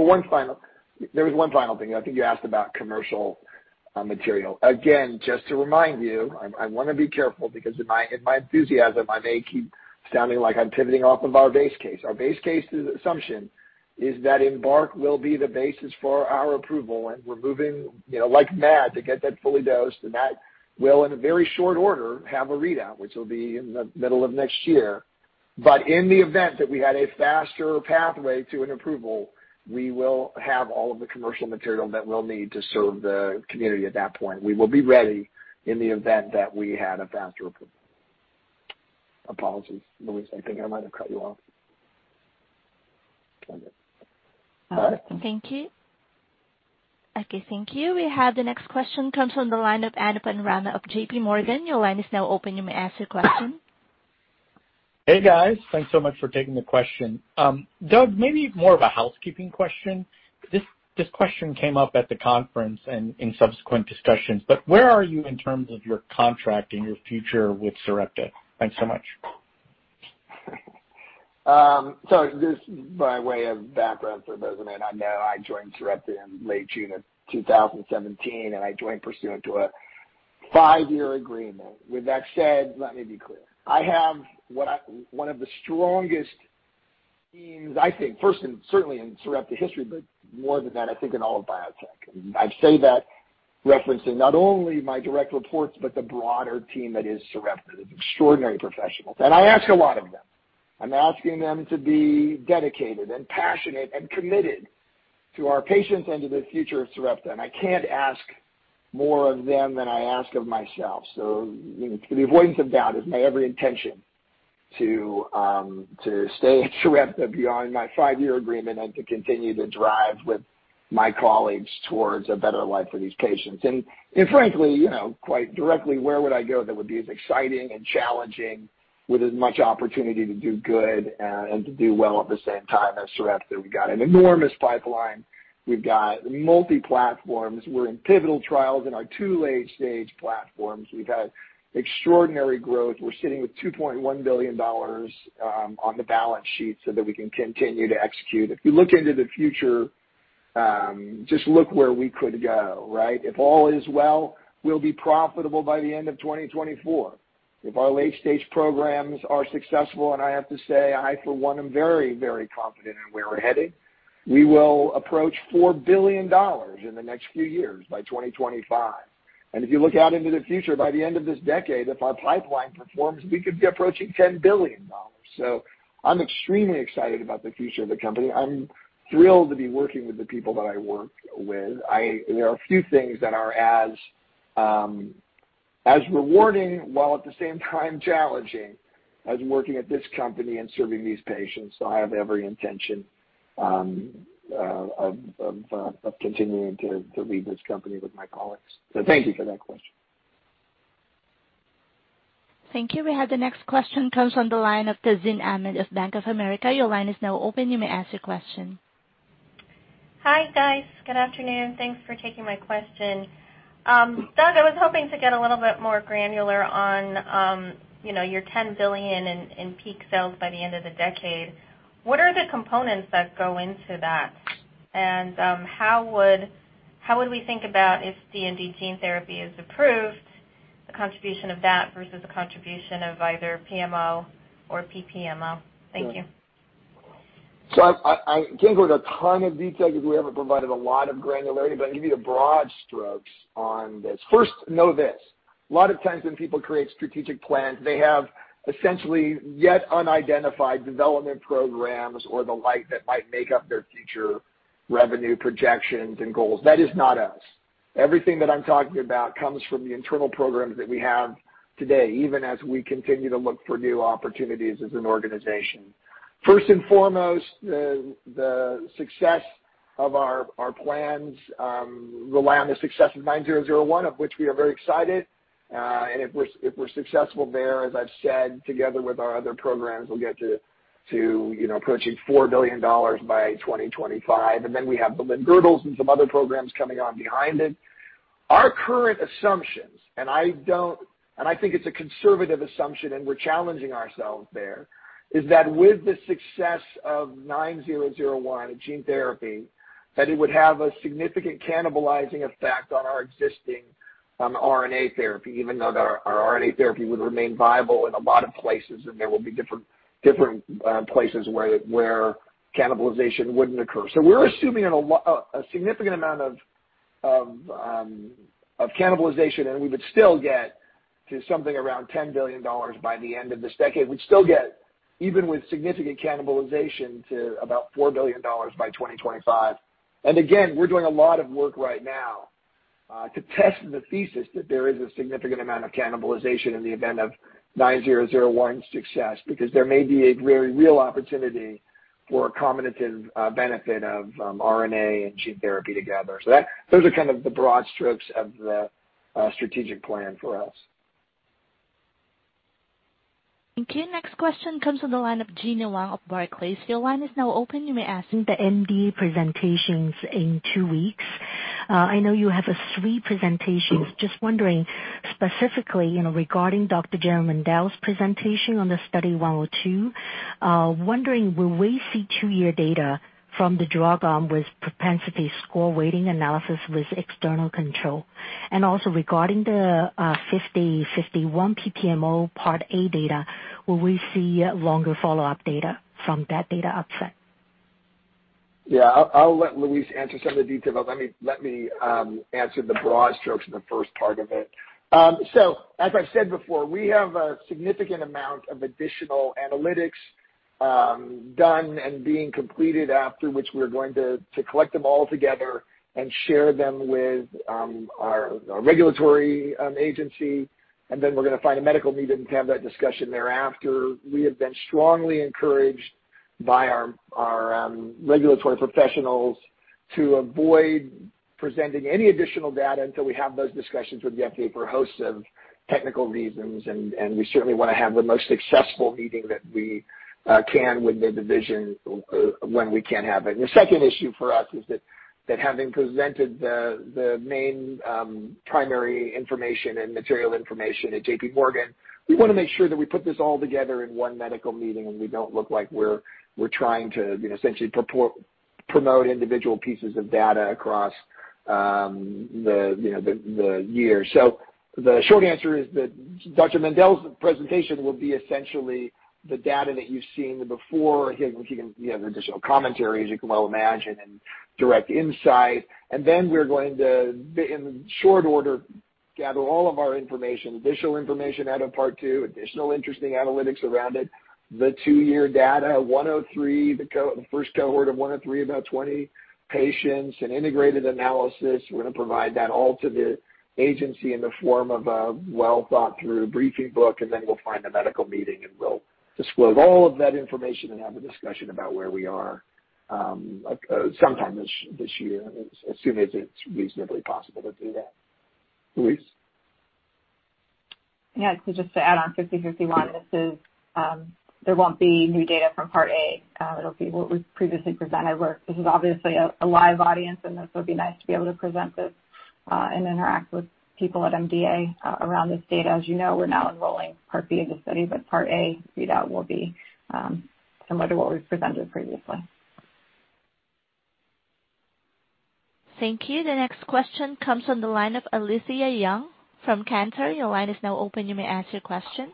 was one final thing. I think you asked about commercial material. Again, just to remind you, I wanna be careful because in my enthusiasm, I may keep sounding like I'm pivoting off of our base case. Our base case's assumption is that EMBARK will be the basis for our approval, and we're moving, you know, like mad to get that fully dosed, and that will, in a very short order, have a readout, which will be in the middle of next year. In the event that we had a faster pathway to an approval, we will have all of the commercial material that we'll need to serve the community at that point. We will be ready in the event that we had a faster approval. Apologies, Louise. I think I might have cut you off. All right. Thank you. Okay, thank you. We have the next question comes from the line of Anupam Rama of J.P. Morgan. Your line is now open. You may ask your question. Hey, guys. Thanks so much for taking the question. Doug, maybe more of a housekeeping question. This question came up at the conference and in subsequent discussions, but where are you in terms of your contract and your future with Sarepta? Thanks so much. Just by way of background for those who may not know, I joined Sarepta in late June of 2017, and I joined pursuant to a five-year agreement. With that said, let me be clear. I have one of the strongest teams, I think, first in, certainly in Sarepta history, but more than that, I think in all of biotech. I say that referencing not only my direct reports, but the broader team that is Sarepta. They're extraordinary professionals, and I ask a lot of them. I'm asking them to be dedicated and passionate and committed to our patients and to the future of Sarepta, and I can't ask more of them than I ask of myself. To the avoidance of doubt, it's my every intention to stay at Sarepta beyond my five-year agreement and to continue to drive with my colleagues towards a better life for these patients. And frankly, you know, quite directly, where would I go that would be as exciting and challenging with as much opportunity to do good and to do well at the same time as Sarepta? We've got an enormous pipeline. We've got multi-platforms. We're in pivotal trials in our two late-stage platforms. We've had extraordinary growth. We're sitting with $2.1 billion on the balance sheet so that we can continue to execute. If you look into the future, just look where we could go, right? If all is well, we'll be profitable by the end of 2024. If our late-stage programs are successful, and I have to say, I, for one, am very, very confident in where we're headed, we will approach $4 billion in the next few years by 2025. If you look out into the future, by the end of this decade, if our pipeline performs, we could be approaching $10 billion. I'm extremely excited about the future of the company. I'm thrilled to be working with the people that I work with. There are a few things that are as rewarding, while at the same time challenging, as working at this company and serving these patients. I have every intention of continuing to lead this company with my colleagues. Thank you for that question. Thank you. We have the next question comes from the line of Tazeen Ahmad of Bank of America. Your line is now open. You may ask your question. Hi, guys. Good afternoon. Thanks for taking my question. Doug, I was hoping to get a little bit more granular on, you know, your $10 billion in peak sales by the end of the decade. What are the components that go into that? How would we think about if DMD gene therapy is approved, the contribution of that versus the contribution of either PMO or PPMO? Thank you. I can't go into a ton of detail because we haven't provided a lot of granularity, but I'll give you the broad strokes on this. First, know this. A lot of times when people create strategic plans, they have essentially yet unidentified development programs or the like that might make up their future revenue projections and goals. That is not us. Everything that I'm talking about comes from the internal programs that we have today, even as we continue to look for new opportunities as an organization. First and foremost, the success of our plans rely on the success of SRP-9001, of which we are very excited. And if we're successful there, as I've said, together with our other programs, we'll get to you know, approaching $4 billion by 2025. We have the limb-girdle and some other programs coming on behind it. Our current assumptions, I think it's a conservative assumption, and we're challenging ourselves there, is that with the success of SRP-9001 gene therapy, that it would have a significant cannibalizing effect on our existing RNA therapy, even though our RNA therapy would remain viable in a lot of places, and there will be different places where cannibalization wouldn't occur. We're assuming a significant amount of cannibalization, and we would still get to something around $10 billion by the end of this decade. We'd still get, even with significant cannibalization, to about $4 billion by 2025. Again, we're doing a lot of work right now to test the thesis that there is a significant amount of cannibalization in the event of 9001 success, because there may be a very real opportunity for a combinative benefit of RNA and gene therapy together. That, those are kind of the broad strokes of the strategic plan for us. Thank you. Next question comes from the line of Gena Wang of Barclays. Your line is now open. You may ask. The MDA presentations in two weeks. I know you have three presentations. Just wondering, specifically, regarding Dr. Jerry Mendell's presentation on Study 102, will we see two-year data from the drug, with propensity score weighted analysis with external control? Also regarding the SRP-5051 PPMO Part A data, will we see longer follow-up data from that data set? Yeah. I'll let Louise answer some of the detail, but let me answer the broad strokes of the first part of it. As I've said before, we have a significant amount of additional analytics done and being completed after which we're going to collect them all together and share them with our regulatory agency. Then we're gonna find a medical meeting to have that discussion thereafter. We have been strongly encouraged by our regulatory professionals to avoid presenting any additional data until we have those discussions with the FDA for a host of technical reasons. We certainly wanna have the most successful meeting that we can with the division when we can have it. The second issue for us is that, having presented the main primary information and material information at J.P. Morgan, we wanna make sure that we put this all together in one medical meeting and we don't look like we're trying to, you know, essentially promote individual pieces of data across the year. The short answer is that Dr. Mendell's presentation will be essentially the data that you've seen before, which again, you know, additional commentary, as you can well imagine, and direct insight. Then we're going to, in short order, gather all of our information, additional information out of part two, additional interesting analytics around it. The two-year data, 103, the first cohort of 103, about 20 patients, an integrated analysis. We're gonna provide that all to the agency in the form of a well-thought-through briefing book, and then we'll find a medical meeting, and we'll disclose all of that information and have a discussion about where we are, sometime this year as soon as it's reasonably possible to do that. Louise? Yeah. Just to add on SRP-5051, this is, there won't be new data from Part A. It'll be what we've previously presented where this is obviously a live audience, and this would be nice to be able to present this and interact with people at MDA around this data. As you know, we're now enrolling Part B of the study, but Part A readout will be similar to what we've presented previously. Thank you. The next question comes from the line of Eliana Merle from Cantor Fitzgerald. Your line is now open. You may ask your question.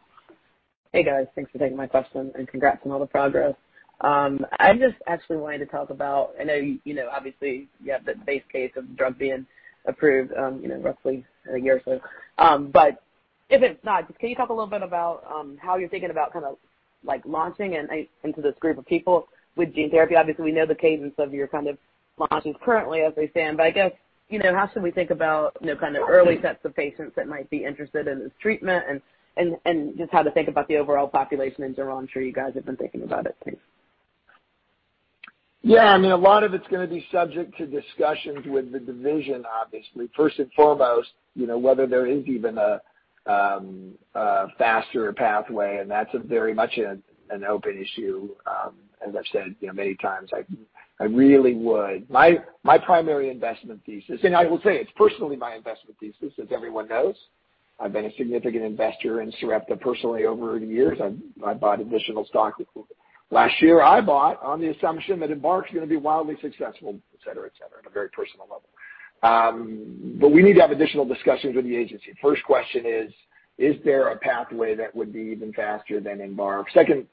Hey, guys. Thanks for taking my question, and congrats on all the progress. I'm just actually wanting to talk about, I know, you know, obviously, you have the base case of drug being approved, you know, roughly a year or so. If it's not, can you talk a little bit about how you're thinking about kinda like launching and into this group of people with gene therapy? Obviously, we know the cadence of your kind of launches currently as they stand. I guess, you know, how should we think about, you know, kind of early sets of patients that might be interested in this treatment and just how to think about the overall population in general? I'm sure you guys have been thinking about it. Thanks. Yeah. I mean, a lot of it's gonna be subject to discussions with the division, obviously. First and foremost, you know, whether there is even a faster pathway, and that's a very much an open issue. As I've said, you know, many times, my primary investment thesis, and I will say it's personally my investment thesis, as everyone knows. I've been a significant investor in Sarepta personally over the years. I bought additional stock last year. I bought on the assumption that EMBARK is gonna be wildly successful, et cetera, et cetera, in a very personal level. We need to have additional discussions with the agency. First question is there a pathway that would be even faster than EMBARK? Second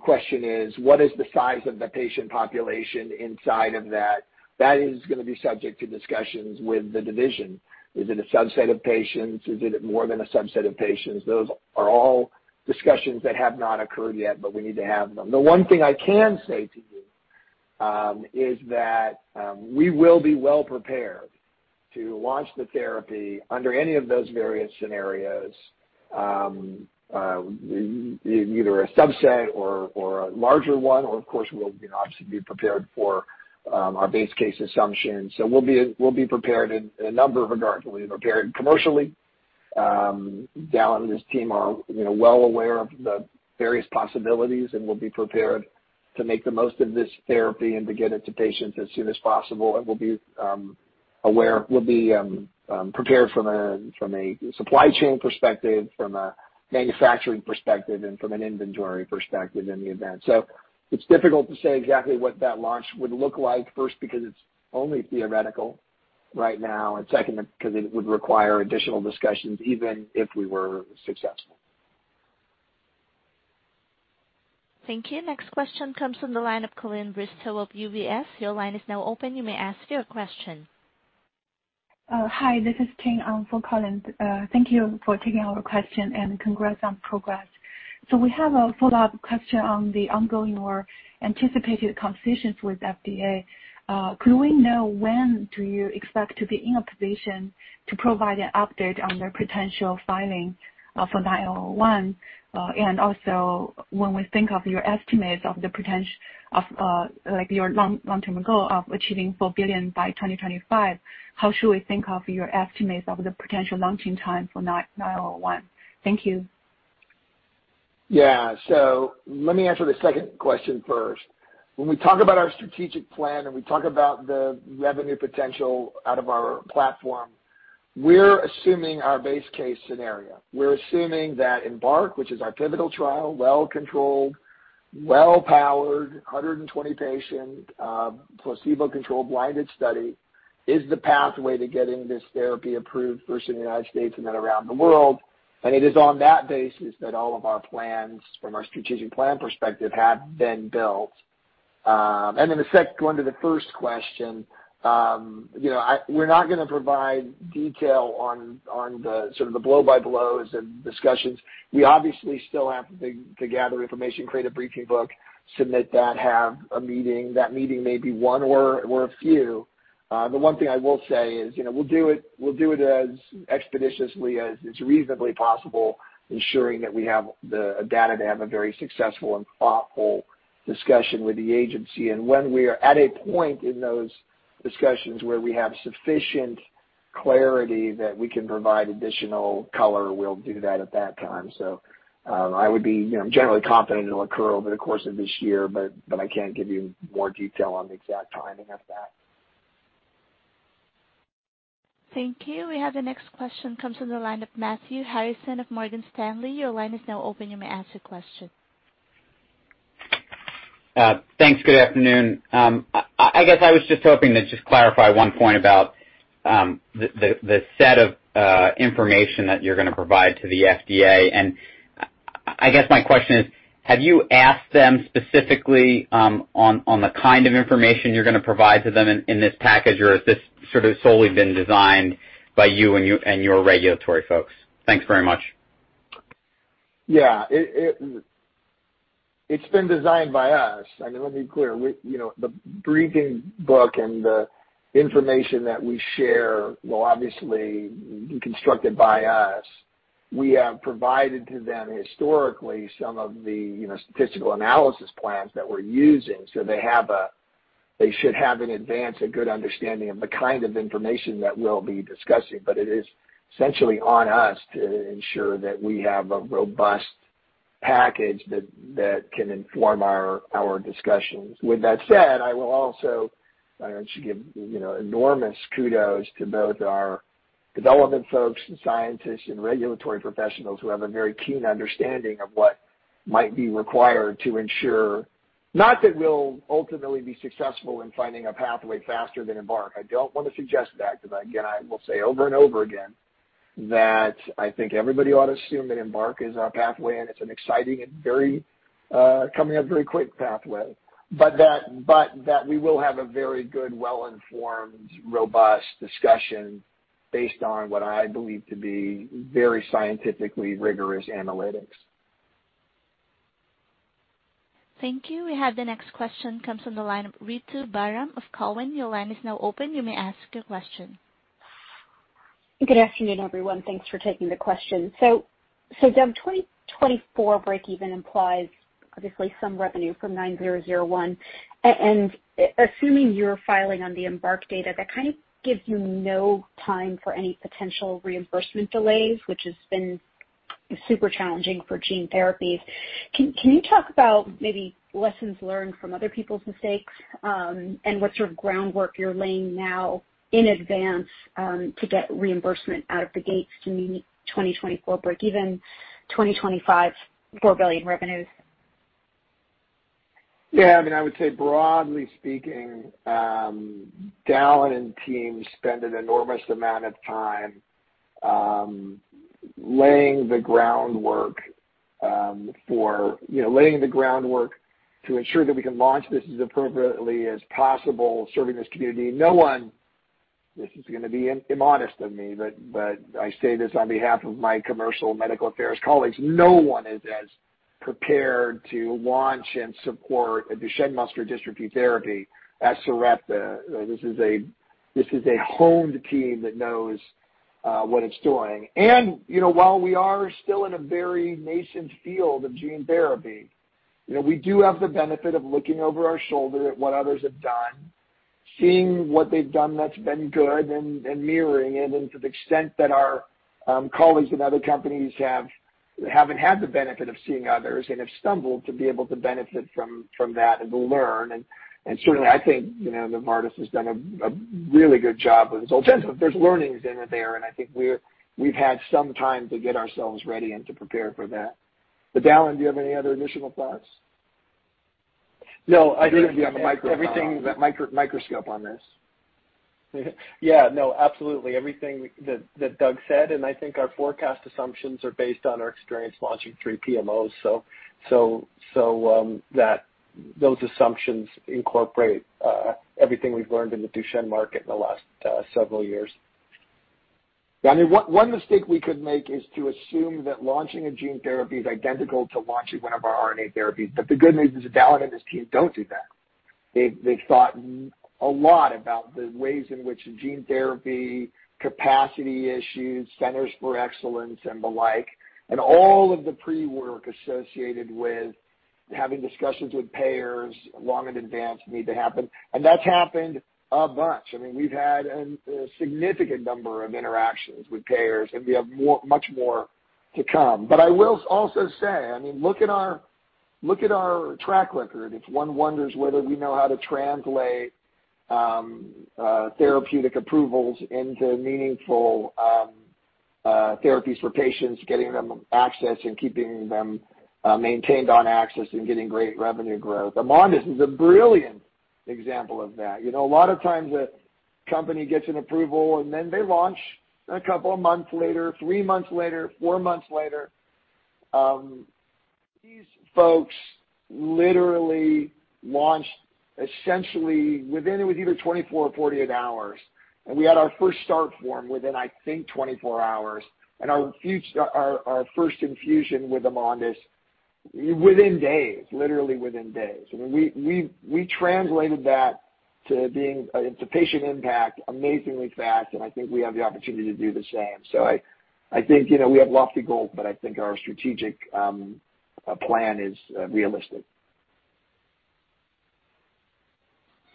question is what is the size of the patient population inside of that? That is gonna be subject to discussions with the division. Is it a subset of patients? Is it more than a subset of patients? Those are all discussions that have not occurred yet, but we need to have them. The one thing I can say to you is that we will be well prepared to launch the therapy under any of those various scenarios, either a subset or a larger one, or of course, we'll, you know, obviously be prepared for our base case assumptions. We'll be prepared in a number of regards. We'll be prepared commercially. Gal and his team are, you know, well aware of the various possibilities, and we'll be prepared to make the most of this therapy and to get it to patients as soon as possible. We'll be prepared from a supply chain perspective, from a manufacturing perspective, and from an inventory perspective in the event. It's difficult to say exactly what that launch would look like, first, because it's only theoretical right now, and second, because it would require additional discussions even if we were successful. Thank you. Next question comes from the line of Colleen Kustra of UBS. Your line is now open. You may ask your question. Hi, this is Qing on for Colleen. Thank you for taking our question, and congrats on progress. We have a follow-up question on the ongoing or anticipated conversations with FDA. Could we know when do you expect to be in a position to provide an update on the potential filing for 901? And also when we think of your estimates of the potential of, like, your long-term goal of achieving $4 billion by 2025, how should we think of your estimates of the potential launching time for 901? Thank you. Yeah. Let me answer the second question first. When we talk about our strategic plan, and we talk about the revenue potential out of our platform, we're assuming our base case scenario. We're assuming that EMBARK, which is our pivotal trial, well controlled, well powered, 120-patient placebo-controlled blinded study, is the pathway to getting this therapy approved first in the United States and then around the world. It is on that basis that all of our plans from our strategic plan perspective have been built. Then going to the first question, you know, we're not gonna provide detail on the sort of the blow-by-blows and discussions. We obviously still have to gather information, create a briefing book, submit that, have a meeting. That meeting may be one or a few. The one thing I will say is, you know, we'll do it as expeditiously as is reasonably possible, ensuring that we have the data to have a very successful and thoughtful discussion with the agency. When we are at a point in those discussions where we have sufficient clarity that we can provide additional color, we'll do that at that time. I would be, you know, generally confident it'll occur over the course of this year, but I can't give you more detail on the exact timing of that. Thank you. We have the next question comes from the line of Matthew Harrison of Morgan Stanley. Your line is now open. You may ask your question. Thanks. Good afternoon. I guess I was just hoping to clarify one point about the set of information that you're gonna provide to the FDA. I guess my question is, have you asked them specifically on the kind of information you're gonna provide to them in this package, or has this sort of solely been designed by you and your regulatory folks? Thanks very much. Yeah. It's been designed by us. I mean, let me be clear. We, you know, the briefing book and the information that we share were obviously constructed by us. We have provided to them historically some of the, you know, statistical analysis plans that we're using, so they should have in advance a good understanding of the kind of information that we'll be discussing. It is essentially on us to ensure that we have a robust package that can inform our discussions. With that said, I should give, you know, enormous kudos to both our development folks and scientists and regulatory professionals who have a very keen understanding of what might be required to ensure not that we'll ultimately be successful in finding a pathway faster than EMBARK. I don't wanna suggest that because again, I will say over and over again that I think everybody ought to assume that EMBARK is our pathway, and it's an exciting and very coming up very quick pathway. But that we will have a very good, well-informed, robust discussion based on what I believe to be very scientifically rigorous analytics. Thank you. The next question comes from the line of Ritu Baral of Cowen. Your line is now open. You may ask your question. Good afternoon, everyone. Thanks for taking the question. Dev, 2024 break even implies obviously some revenue from 9001. Assuming you're filing on the EMBARK data, that kind of gives you no time for any potential reimbursement delays, which has been super challenging for gene therapies. Can you talk about maybe lessons learned from other people's mistakes, and what sort of groundwork you're laying now in advance to get reimbursement out of the gates to meet 2024 break even, 2025 $4 billion revenues? Yeah, I mean, I would say broadly speaking, Dallan and team spend an enormous amount of time laying the groundwork for, you know, laying the groundwork to ensure that we can launch this as appropriately as possible, serving this community. No one, this is gonna be modest of me, but I say this on behalf of my commercial medical affairs colleagues, no one is as prepared to launch and support a Duchenne muscular dystrophy therapy as Sarepta. This is a honed team that knows what it's doing. You know, while we are still in a very nascent field of gene therapy, you know, we do have the benefit of looking over our shoulder at what others have done, seeing what they've done that's been good and mirroring it. To the extent that our colleagues and other companies haven't had the benefit of seeing others and have stumbled to be able to benefit from that and learn. Certainly I think, you know, Novartis has done a really good job with Zolgensma. There's learnings in it there, and I think we've had some time to get ourselves ready and to prepare for that. Dallan, do you have any other additional thoughts? No, I think. You have a micro. Everything- Microscope on this. Yeah, no, absolutely. Everything that Doug said, and I think our forecast assumptions are based on our experience launching three PMOs. Those assumptions incorporate everything we've learned in the Duchenne market in the last several years. I mean, one mistake we could make is to assume that launching a gene therapy is identical to launching one of our RNA therapies. The good news is Dallan and his team don't do that. They've thought a lot about the ways in which gene therapy, capacity issues, centers for excellence and the like, and all of the pre-work associated with having discussions with payers long in advance need to happen. That's happened a bunch. I mean, we've had a significant number of interactions with payers, and we have much more to come. I will also say, I mean, look at our track record. If one wonders whether we know how to translate therapeutic approvals into meaningful therapies for patients, getting them access and keeping them maintained on access and getting great revenue growth. AMONDYS 45 is a brilliant example of that. You know, a lot of times a company gets an approval, and then they launch a couple of months later, three months later, four months later. These folks literally launched essentially within it was either 24 or 48 hours. We had our first start form within, I think, 24 hours. Our first infusion with AMONDYS 45 within days, literally within days. I mean, we translated that to being into patient impact amazingly fast, and I think we have the opportunity to do the same. I think, you know, we have lofty goals, but I think our strategic plan is realistic.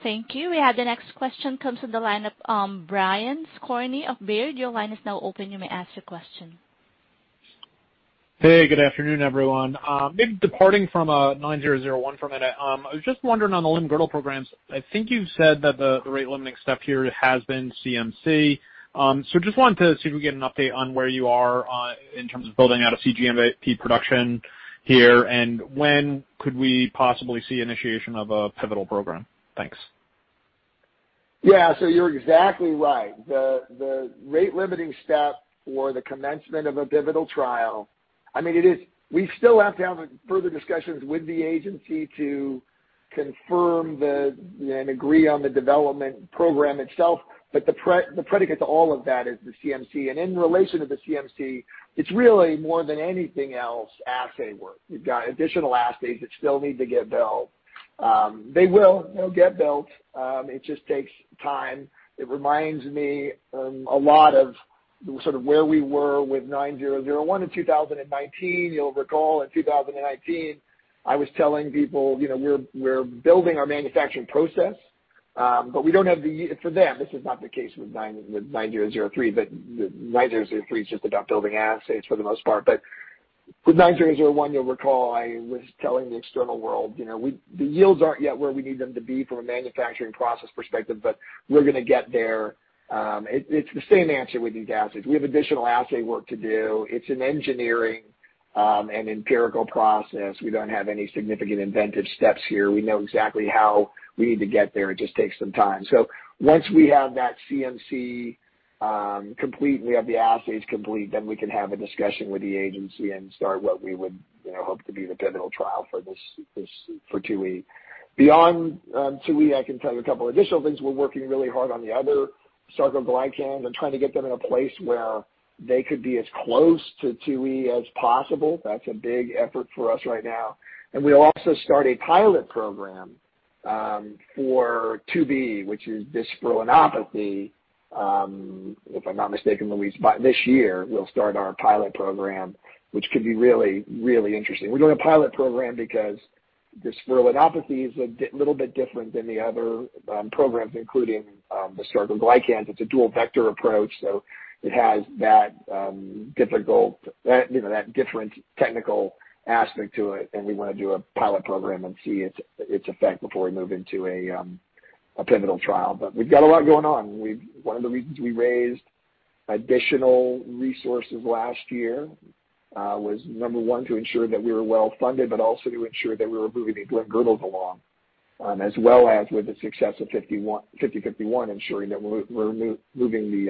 Thank you. We have the next question comes from the line of Brian Skorney of Baird. Your line is now open. You may ask your question. Hey, good afternoon, everyone. Maybe departing from SRP-9001 for a minute. I was just wondering on the limb-girdle programs, I think you've said that the rate limiting step here has been CMC. Just wanted to see if we get an update on where you are, in terms of building out a cGMP production here, and when could we possibly see initiation of a pivotal program? Thanks. You're exactly right. The rate limiting step for the commencement of a pivotal trial, I mean, it is. We still have to have further discussions with the agency to confirm and agree on the development program itself, but the predicate to all of that is the CMC. In relation to the CMC, it's really more than anything else assay work. You've got additional assays that still need to get built. They will, they'll get built. It reminds me a lot of sort of where we were with SRP-9001 in 2019. You'll recall in 2019, I was telling people, you know, we're building our manufacturing process, but we don't have the y- for them. This is not the case with 9003, but 9003 is just about building assays for the most part. With 9001, you'll recall I was telling the external world, you know, the yields aren't yet where we need them to be from a manufacturing process perspective, but we're gonna get there. It's the same answer with these assays. We have additional assay work to do. It's an engineering and empirical process. We don't have any significant inventive steps here. We know exactly how we need to get there. It just takes some time. Once we have that CMC complete and we have the assays complete, then we can have a discussion with the agency and start what we would, you know, hope to be the pivotal trial for this for 2E. Beyond, two E, I can tell you a couple additional things. We're working really hard on the other sarcoglycans and trying to get them in a place where they could be as close to two E as possible. That's a big effort for us right now. We'll also start a pilot program, for two B, which is dysferlinopathy, if I'm not mistaken, Louise. By this year, we'll start our pilot program, which could be really, really interesting. We're doing a pilot program because dysferlinopathy is a little bit different than the other programs, including the sarcoglycans. It's a dual vector approach, so it has that, you know, that different technical aspect to it, and we wanna do a pilot program and see its effect before we move into a pivotal trial. We've got a lot going on. We've one of the reasons we raised additional resources last year was number one to ensure that we were well-funded, but also to ensure that we were moving the limb-girdles along, as well as with the success of 51 ensuring that we're moving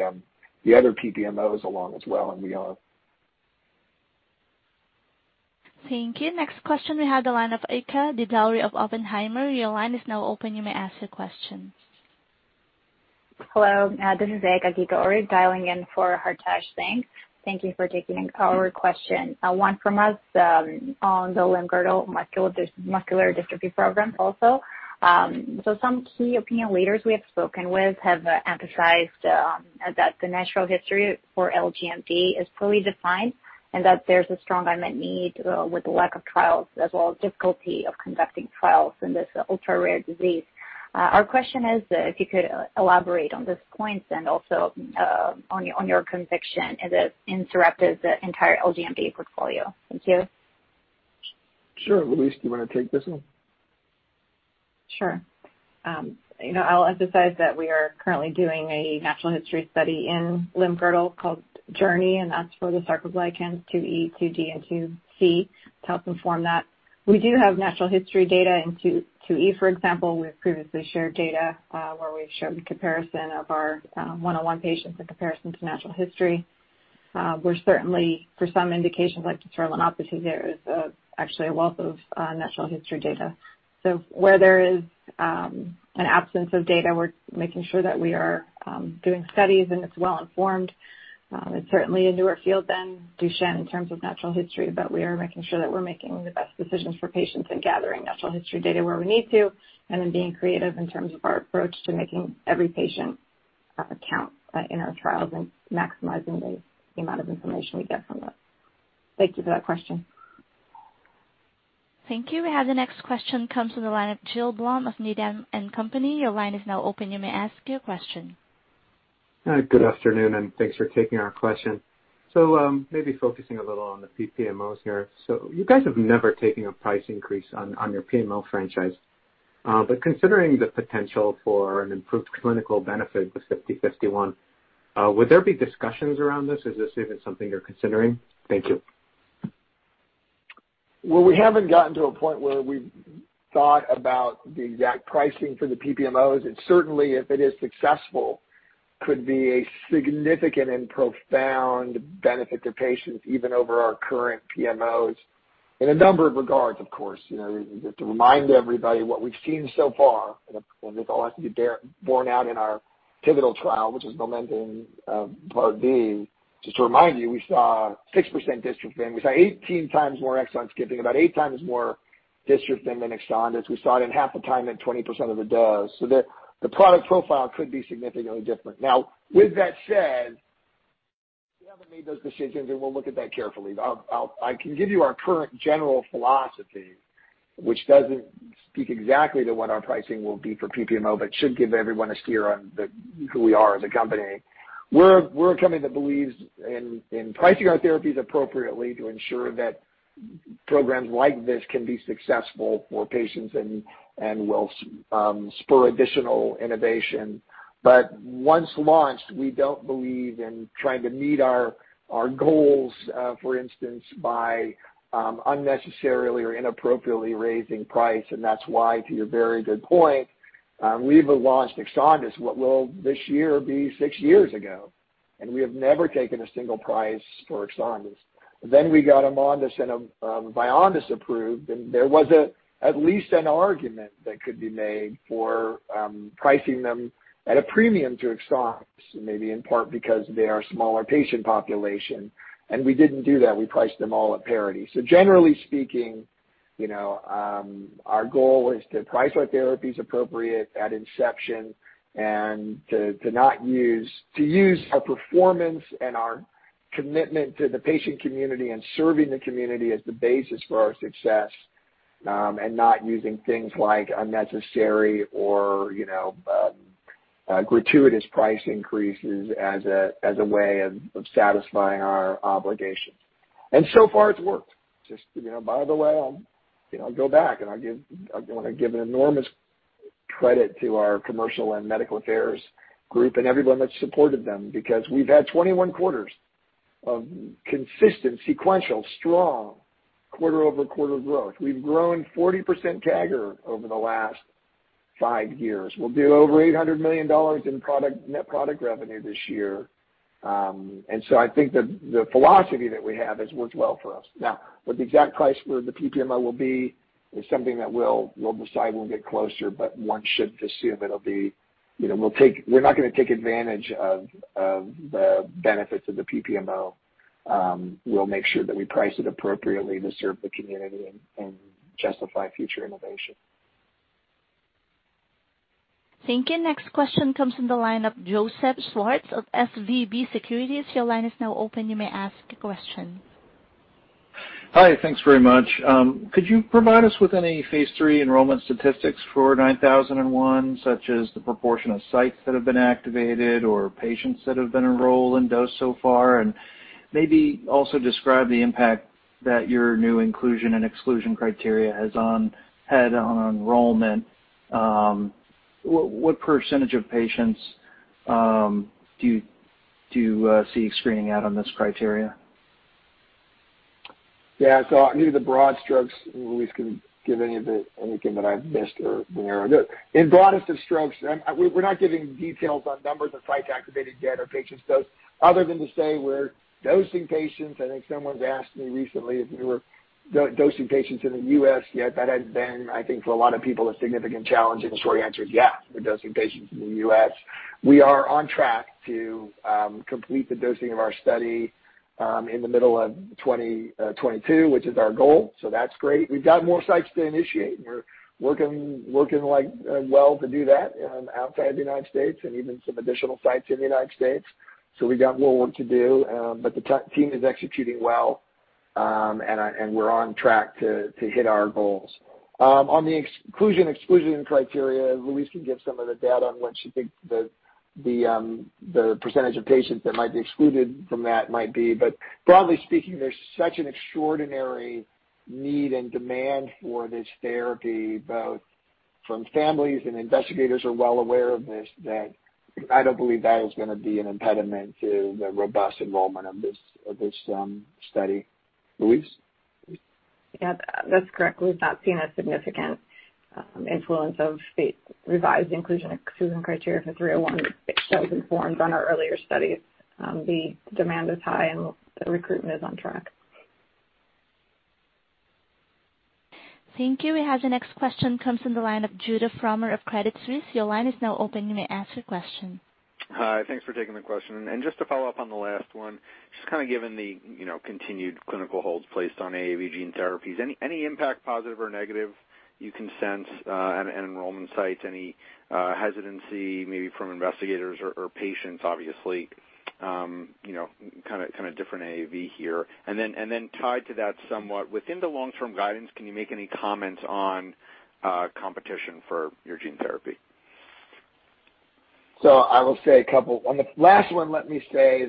the other PPMOs along as well, and we are. Thank you. Next question we have the line of Hartaj Singh of Oppenheimer. Your line is now open. You may ask your question. Hello, this is Hartaj Singh. Thank you for taking our question. One from us on the limb-girdle muscular dystrophy program also. Some key opinion leaders we have spoken with have emphasized that the natural history for LGMD is poorly defined, and that there's a strong unmet need with the lack of trials as well as difficulty of conducting trials in this ultra-rare disease. Our question is, if you could elaborate on those points and also on your conviction as it relates to the entire LGMD portfolio. Thank you. Sure. Louise, do you wanna take this one? Sure. You know, I'll emphasize that we are currently doing a natural history study in limb-girdle called JOURNEY, and that's for the sarcoglycans 2E, 2D, and 2C to help inform that. We do have natural history data in 2E, for example. We've previously shared data, where we've shown the comparison of our 101 patients in comparison to natural history. We're certainly for some indications like distal myopathy, there is actually a wealth of natural history data. Where there is an absence of data, we're making sure that we are doing studies, and it's well informed. It's certainly a newer field than Duchenne in terms of natural history, but we are making sure that we're making the best decisions for patients and gathering natural history data where we need to and then being creative in terms of our approach to making every patient count in our trials and maximizing the amount of information we get from them. Thank you for that question. Thank you. We have the next question comes from the line of Gil Blum of Needham & Company. Your line is now open. You may ask your question. Hi. Good afternoon, and thanks for taking our question. Maybe focusing a little on the PPMOs here. You guys have never taken a price increase on your PMO franchise. Considering the potential for an improved clinical benefit with 5051, would there be discussions around this? Is this even something you're considering? Thank you. Well, we haven't gotten to a point where we've thought about the exact pricing for the PPMOs, and certainly if it is successful could be a significant and profound benefit to patients even over our current PMOs in a number of regards, of course. You know, to remind everybody what we've seen so far, and this all has to be borne out in our pivotal trial, which is MOMENTUM Part B. Just to remind you, we saw 6% dystrophin. We saw 18 times more exon skipping, about eight times more dystrophin than EXONDYS. We saw it in half the time at 20% of the dose. So the product profile could be significantly different. Now with that said, we haven't made those decisions, and we'll look at that carefully. I can give you our current general philosophy, which doesn't speak exactly to what our pricing will be for PPMO, but should give everyone a steer on who we are as a company. We're a company that believes in pricing our therapies appropriately to ensure that programs like this can be successful for patients and will spur additional innovation. Once launched, we don't believe in trying to meet our goals, for instance by unnecessarily or inappropriately raising price. That's why, to your very good point, we've launched EXONDYS 51 what will this year be six years ago, and we have never taken a single price for EXONDYS 51. We got AMONDYS and VYONDYS approved, and there was at least an argument that could be made for pricing them at a premium to EXONDYS, maybe in part because they are a smaller patient population, and we didn't do that. We priced them all at parity. Generally speaking, you know, our goal is to price our therapies appropriate at inception and to use our performance and our commitment to the patient community and serving the community as the basis for our success, and not using things like unnecessary or, you know, gratuitous price increases as a way of satisfying our obligations. So far it's worked. Just, you know, by the way, I'll go back, and I'll give. I want to give an enormous credit to our commercial and medical affairs group and everyone that supported them because we've had 21 quarters of consistent, sequential, strong quarter-over-quarter growth. We've grown 40% CAGR over the last five years. We'll do over $800 million in product, net product revenue this year. I think the philosophy that we have has worked well for us. Now, what the exact price for the PPMO will be is something that we'll decide when we get closer, but one should assume it'll be, you know. We're not gonna take advantage of the benefits of the PPMO. We'll make sure that we price it appropriately to serve the community and justify future innovation. Thank you. Next question comes from the line of Joseph Schwartz of SVB Securities. Your line is now open. You may ask a question. Hi. Thanks very much. Could you provide us with any phase III enrollment statistics for SRP-9001, such as the proportion of sites that have been activated or patients that have been enrolled to date so far? Maybe also describe the impact that your new inclusion and exclusion criteria had on enrollment. What percentage of patients do you see screening out on this criteria? Yeah. I'll give you the broad strokes. Louise can give any of it, anything that I've missed or narrow. In broadest of strokes, we're not giving details on numbers of sites activated yet or patients dosed other than to say we're dosing patients. I think someone's asked me recently if we were dosing patients in the U.S. yet. That has been, I think, for a lot of people, a significant challenge, and the short answer is yeah, we're dosing patients in the U.S. We are on track to complete the dosing of our study in the middle of 2022, which is our goal, so that's great. We've got more sites to initiate, and we're working like hell to do that outside the United States and even some additional sites in the United States. We got more work to do, but the team is executing well, and we're on track to hit our goals. On the inclusion, exclusion criteria, Louise can give some of the data on what she thinks the percentage of patients that might be excluded from that might be. Broadly speaking, there's such an extraordinary need and demand for this therapy, both from families and investigators are well aware of this, that I don't believe that is gonna be an impediment to the robust enrollment of this study. Louise? Yeah. That's correct. We've not seen a significant influence of the revised inclusion, exclusion criteria for 301 that was informed on our earlier studies. The demand is high, and the recruitment is on track. Thank you. We have the next question comes from the line of Judah Frommer of Credit Suisse. Your line is now open. You may ask your question. Hi. Thanks for taking the question. Just to follow up on the last one, just kinda given the, you know, continued clinical holds placed on AAV gene therapies, any impact, positive or negative, you can sense at enrollment sites, any hesitancy maybe from investigators or patients, obviously, you know, kinda different AAV here. Then tied to that somewhat, within the long-term guidance, can you make any comments on competition for your gene therapy? I will say a couple. On the last one, let me say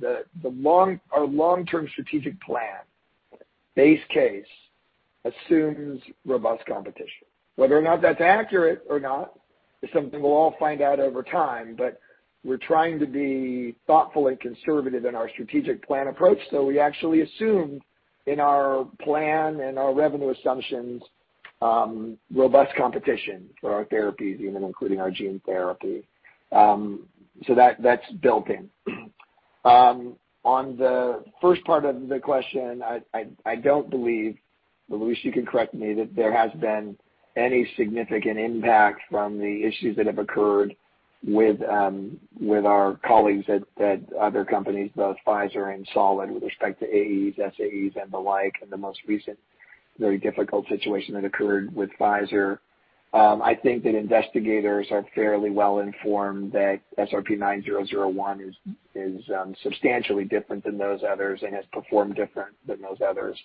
that our long-term strategic plan base case assumes robust competition. Whether or not that's accurate or not is something we'll all find out over time, but we're trying to be thoughtful and conservative in our strategic plan approach. We actually assume in our plan and our revenue assumptions, robust competition for our therapies, even including our gene therapy. That's built in. On the first part of the question, I don't believe, but Louise, you can correct me, that there has been any significant impact from the issues that have occurred with our colleagues at other companies, both Pfizer and Solid, with respect to AEs, SAEs, and the like, and the most recent very difficult situation that occurred with Pfizer. I think that investigators are fairly well informed that SRP-9001 is substantially different than those others and has performed different than those others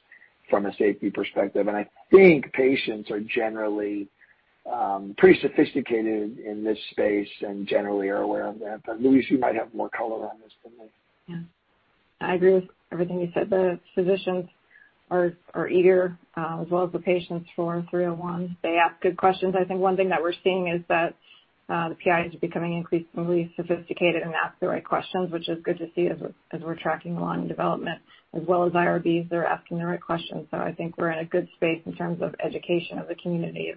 from a safety perspective. I think patients are generally pretty sophisticated in this space and generally are aware of that. Louise, you might have more color on this than me. Yeah. I agree with everything you said. The physicians are eager, as well as the patients for 301. They ask good questions. I think one thing that we're seeing is that the PIs are becoming increasingly sophisticated and ask the right questions, which is good to see as we're tracking along in development, as well as IRBs. They're asking the right questions. I think we're in a good space in terms of education of the community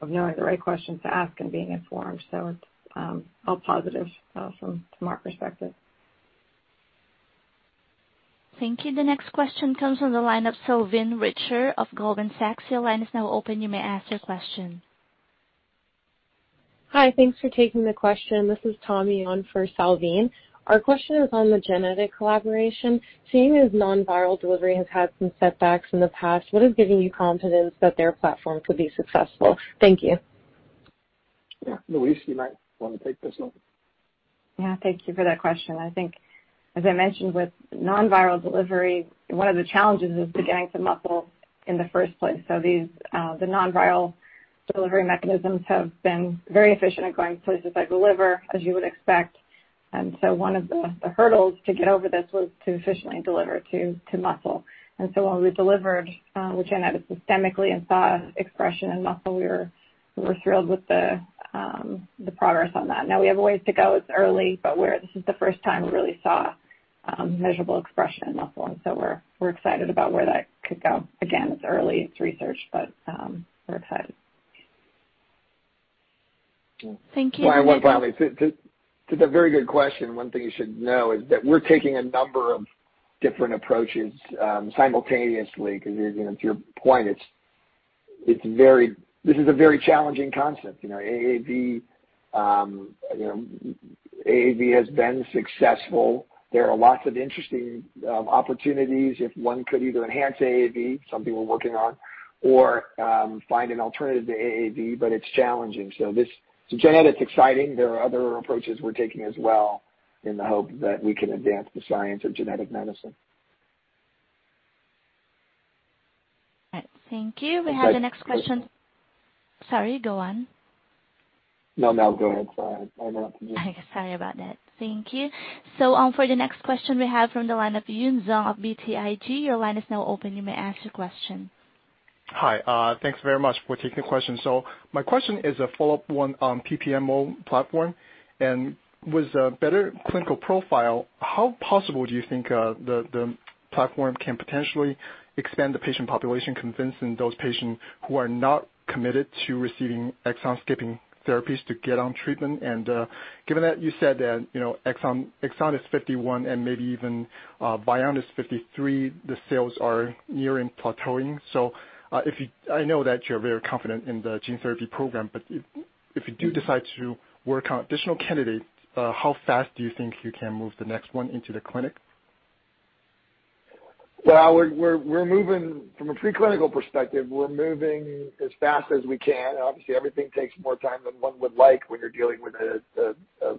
of knowing the right questions to ask and being informed. It's all positive from our perspective. Thank you. The next question comes from the line of Salveen Richter of Goldman Sachs. Your line is now open. You may ask your question. Hi. Thanks for taking the question. This is Tommy on for Salveen Richter. Our question is on the GenEdit collaboration. Seeing as non-viral delivery has had some setbacks in the past, what is giving you confidence that their platform could be successful? Thank you. Yeah. Louise, you might wanna take this one. Yeah. Thank you for that question. I think as I mentioned, with non-viral delivery, one of the challenges is getting to muscle in the first place. These, the non-viral delivery mechanisms have been very efficient at going places like the liver, as you would expect. One of the hurdles to get over this was to efficiently deliver to muscle. When we delivered with GenEdit systemically and saw expression in muscle, we were thrilled with the progress on that. Now we have a ways to go. It's early, but we're. This is the first time we really saw measurable expression in muscle, and so we're excited about where that could go. Again, it's early. It's research, but we're excited. Thank you. Oh, finally. It's a very good question. One thing you should know is that we're taking a number of different approaches simultaneously because, you know, to your point, this is a very challenging concept. You know, AAV, you know, AAV has been successful. There are lots of interesting opportunities if one could either enhance AAV, something we're working on, or find an alternative to AAV, but it's challenging. So GenEdit's exciting. There are other approaches we're taking as well in the hope that we can advance the science of genetic medicine. All right. Thank you. We have the next question. Sorry, go on. No, no, go ahead. Sorry. I interrupted you. Sorry about that. Thank you. For the next question we have from the line of Yanan Zhu of BTIG. Your line is now open. You may ask your question. Hi. Thanks very much. We'll take the question. My question is a follow-up one on PPMO platform. With a better clinical profile, how possible do you think the platform can potentially expand the patient population, convincing those patients who are not committed to receiving exon-skipping therapies to get on treatment? Given that you said that, you know, EXONDYS 51 and maybe even VYONDYS 53, the sales are nearing plateauing. I know that you're very confident in the gene therapy program, but if you do decide to work on additional candidates, how fast do you think you can move the next one into the clinic? Well, we're moving from a preclinical perspective as fast as we can. Obviously, everything takes more time than one would like when you're dealing with an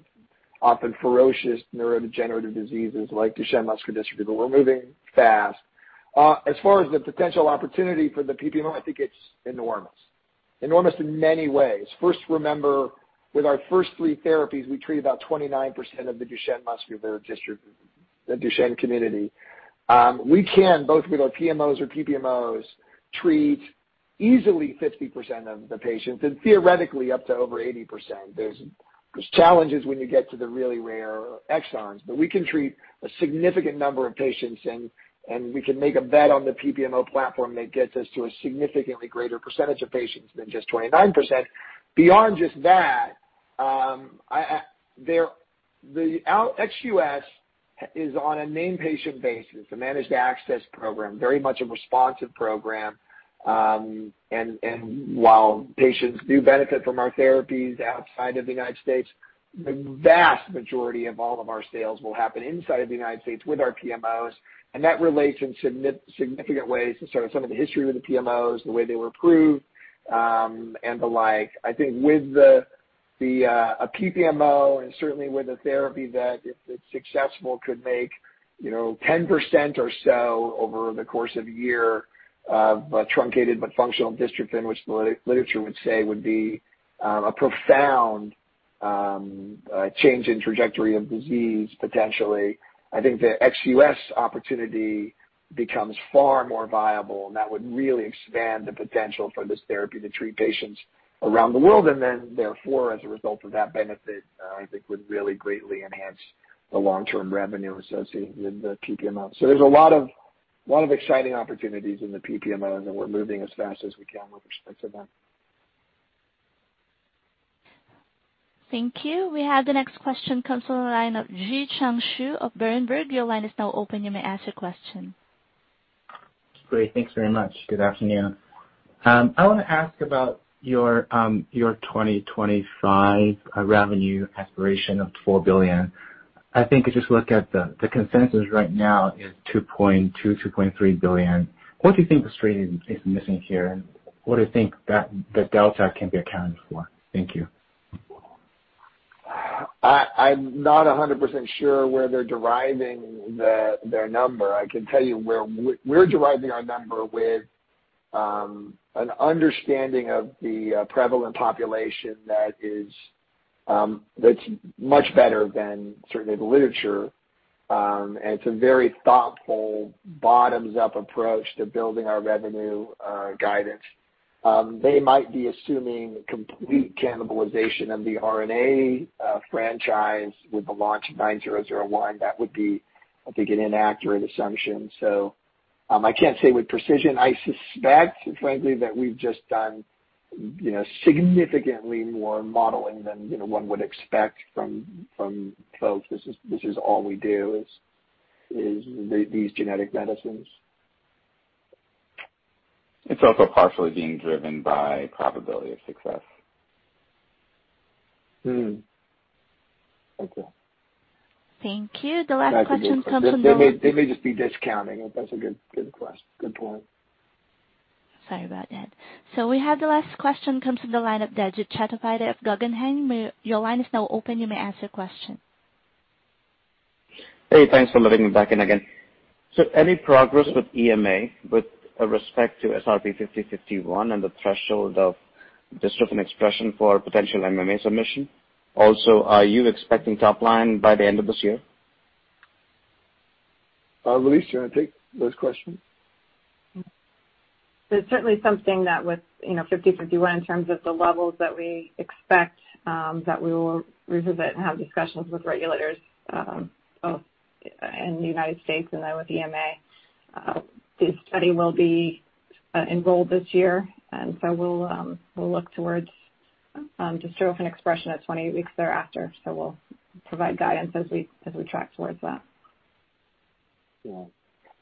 often ferocious neurodegenerative disease like Duchenne muscular dystrophy, but we're moving fast. As far as the potential opportunity for the PPMO, I think it's enormous. Enormous in many ways. First, remember, with our first three therapies, we treat about 29% of the Duchenne community. We can both with our PMOs or PPMOs treat easily 50% of the patients and theoretically up to over 80%. There's challenges when you get to the really rare exons. We can treat a significant number of patients and we can make a bet on the PPMO platform that gets us to a significantly greater percentage of patients than just 29%. Beyond just that, ex-U.S. is on a named patient basis, a managed access program, very much a responsive program. While patients do benefit from our therapies outside of the United States, the vast majority of all of our sales will happen inside of the United States with our PMOs, and that relates in significant ways to sort of some of the history with the PMOs, the way they were approved, and the like. I think with a PPMO and certainly with a therapy that if it's successful could make, you know, 10% or so over the course of a year of truncated but functional dystrophin, which the literature would say would be a profound change in trajectory of disease potentially. I think the exUS opportunity becomes far more viable, and that would really expand the potential for this therapy to treat patients around the world. Then therefore, as a result of that benefit, I think would really greatly enhance the long-term revenue associated with the PPMO. There's a lot of exciting opportunities in the PPMO, and we're moving as fast as we can with respect to that. Thank you. We have the next question comes from the line of Zhiqiang Xu of Berenberg. Your line is now open. You may ask your question. Great. Thanks very much. Good afternoon. I wanna ask about your 2025 revenue aspiration of $4 billion. I think if you just look at the consensus right now is $2.2-$2.3 billion. What do you think the street is missing here? What do you think that the delta can be accounted for? Thank you. I'm not 100% sure where they're deriving their number. I can tell you where we're deriving our number with an understanding of the prevalent population that's much better than certainly the literature. It's a very thoughtful bottoms-up approach to building our revenue guidance. They might be assuming complete cannibalization of the RNA franchise with the launch of SRP-9001. That would be, I think, an inaccurate assumption. I can't say with precision. I suspect, frankly, that we've just done, you know, significantly more modeling than, you know, one would expect from folks. This is all we do is these genetic medicines. It's also partially being driven by probability of success. Thank you. Thank you. The last question comes from the- They may just be discounting. That's a good point. Sorry about that. We have the last question come to the line of Debjit Chattopadhyay of Guggenheim. Your line is now open. You may ask your question. Hey, thanks for letting me back in again. Any progress with EMA with respect to SRP-5051 and the threshold of dystrophin expression for potential MAA submission? Also, are you expecting top line by the end of this year? Louise, do you wanna take those questions? There's certainly something with, you know, SRP-5051 in terms of the levels that we expect that we will revisit and have discussions with regulators both in the United States and then with EMA. The study will be enrolled this year, and we'll look towards dystrophin expression at 20 weeks thereafter. We'll provide guidance as we track towards that. Yeah.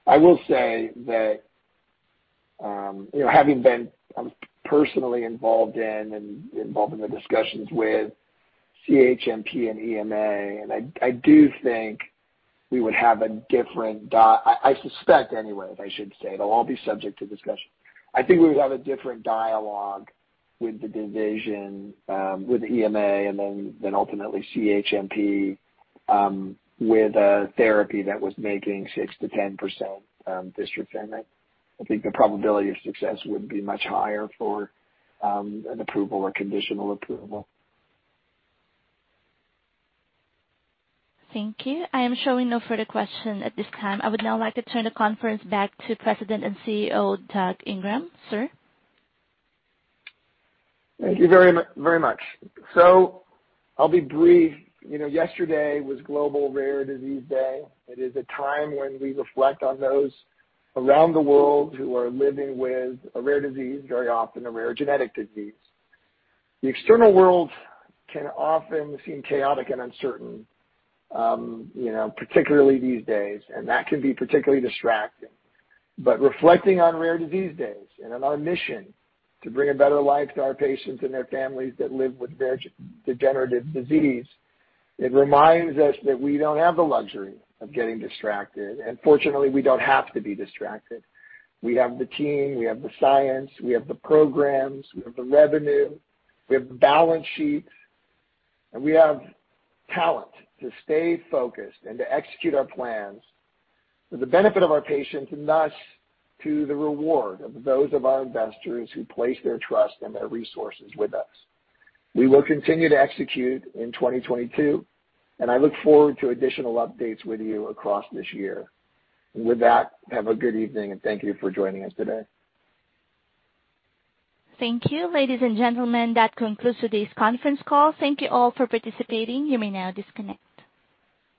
I will say that, you know, having been personally involved in the discussions with CHMP and EMA, I suspect anyway, I should say, it'll all be subject to discussion. I think we would have a different dialogue with the division, with EMA and then ultimately CHMP, with a therapy that was making 6%-10% dystrophin. I think the probability of success would be much higher for an approval or conditional approval. Thank you. I am showing no further question at this time. I would now like to turn the conference back to President and CEO, Doug Ingram, sir. Thank you very much. I'll be brief. You know, yesterday was Global Rare Disease Day. It is a time when we reflect on those around the world who are living with a rare disease, very often a rare genetic disease. The external world can often seem chaotic and uncertain, you know, particularly these days, and that can be particularly distracting. Reflecting on Rare Disease Day and on our mission to bring a better life to our patients and their families that live with their degenerative disease, it reminds us that we don't have the luxury of getting distracted, and fortunately, we don't have to be distracted. We have the team, we have the science, we have the programs, we have the revenue, we have the balance sheets, and we have talent to stay focused and to execute our plans for the benefit of our patients and thus to the reward of those of our investors who place their trust and their resources with us. We will continue to execute in 2022, and I look forward to additional updates with you across this year. With that, have a good evening, and thank you for joining us today. Thank you. Ladies and gentlemen, that concludes today's conference call. Thank you all for participating. You may now disconnect.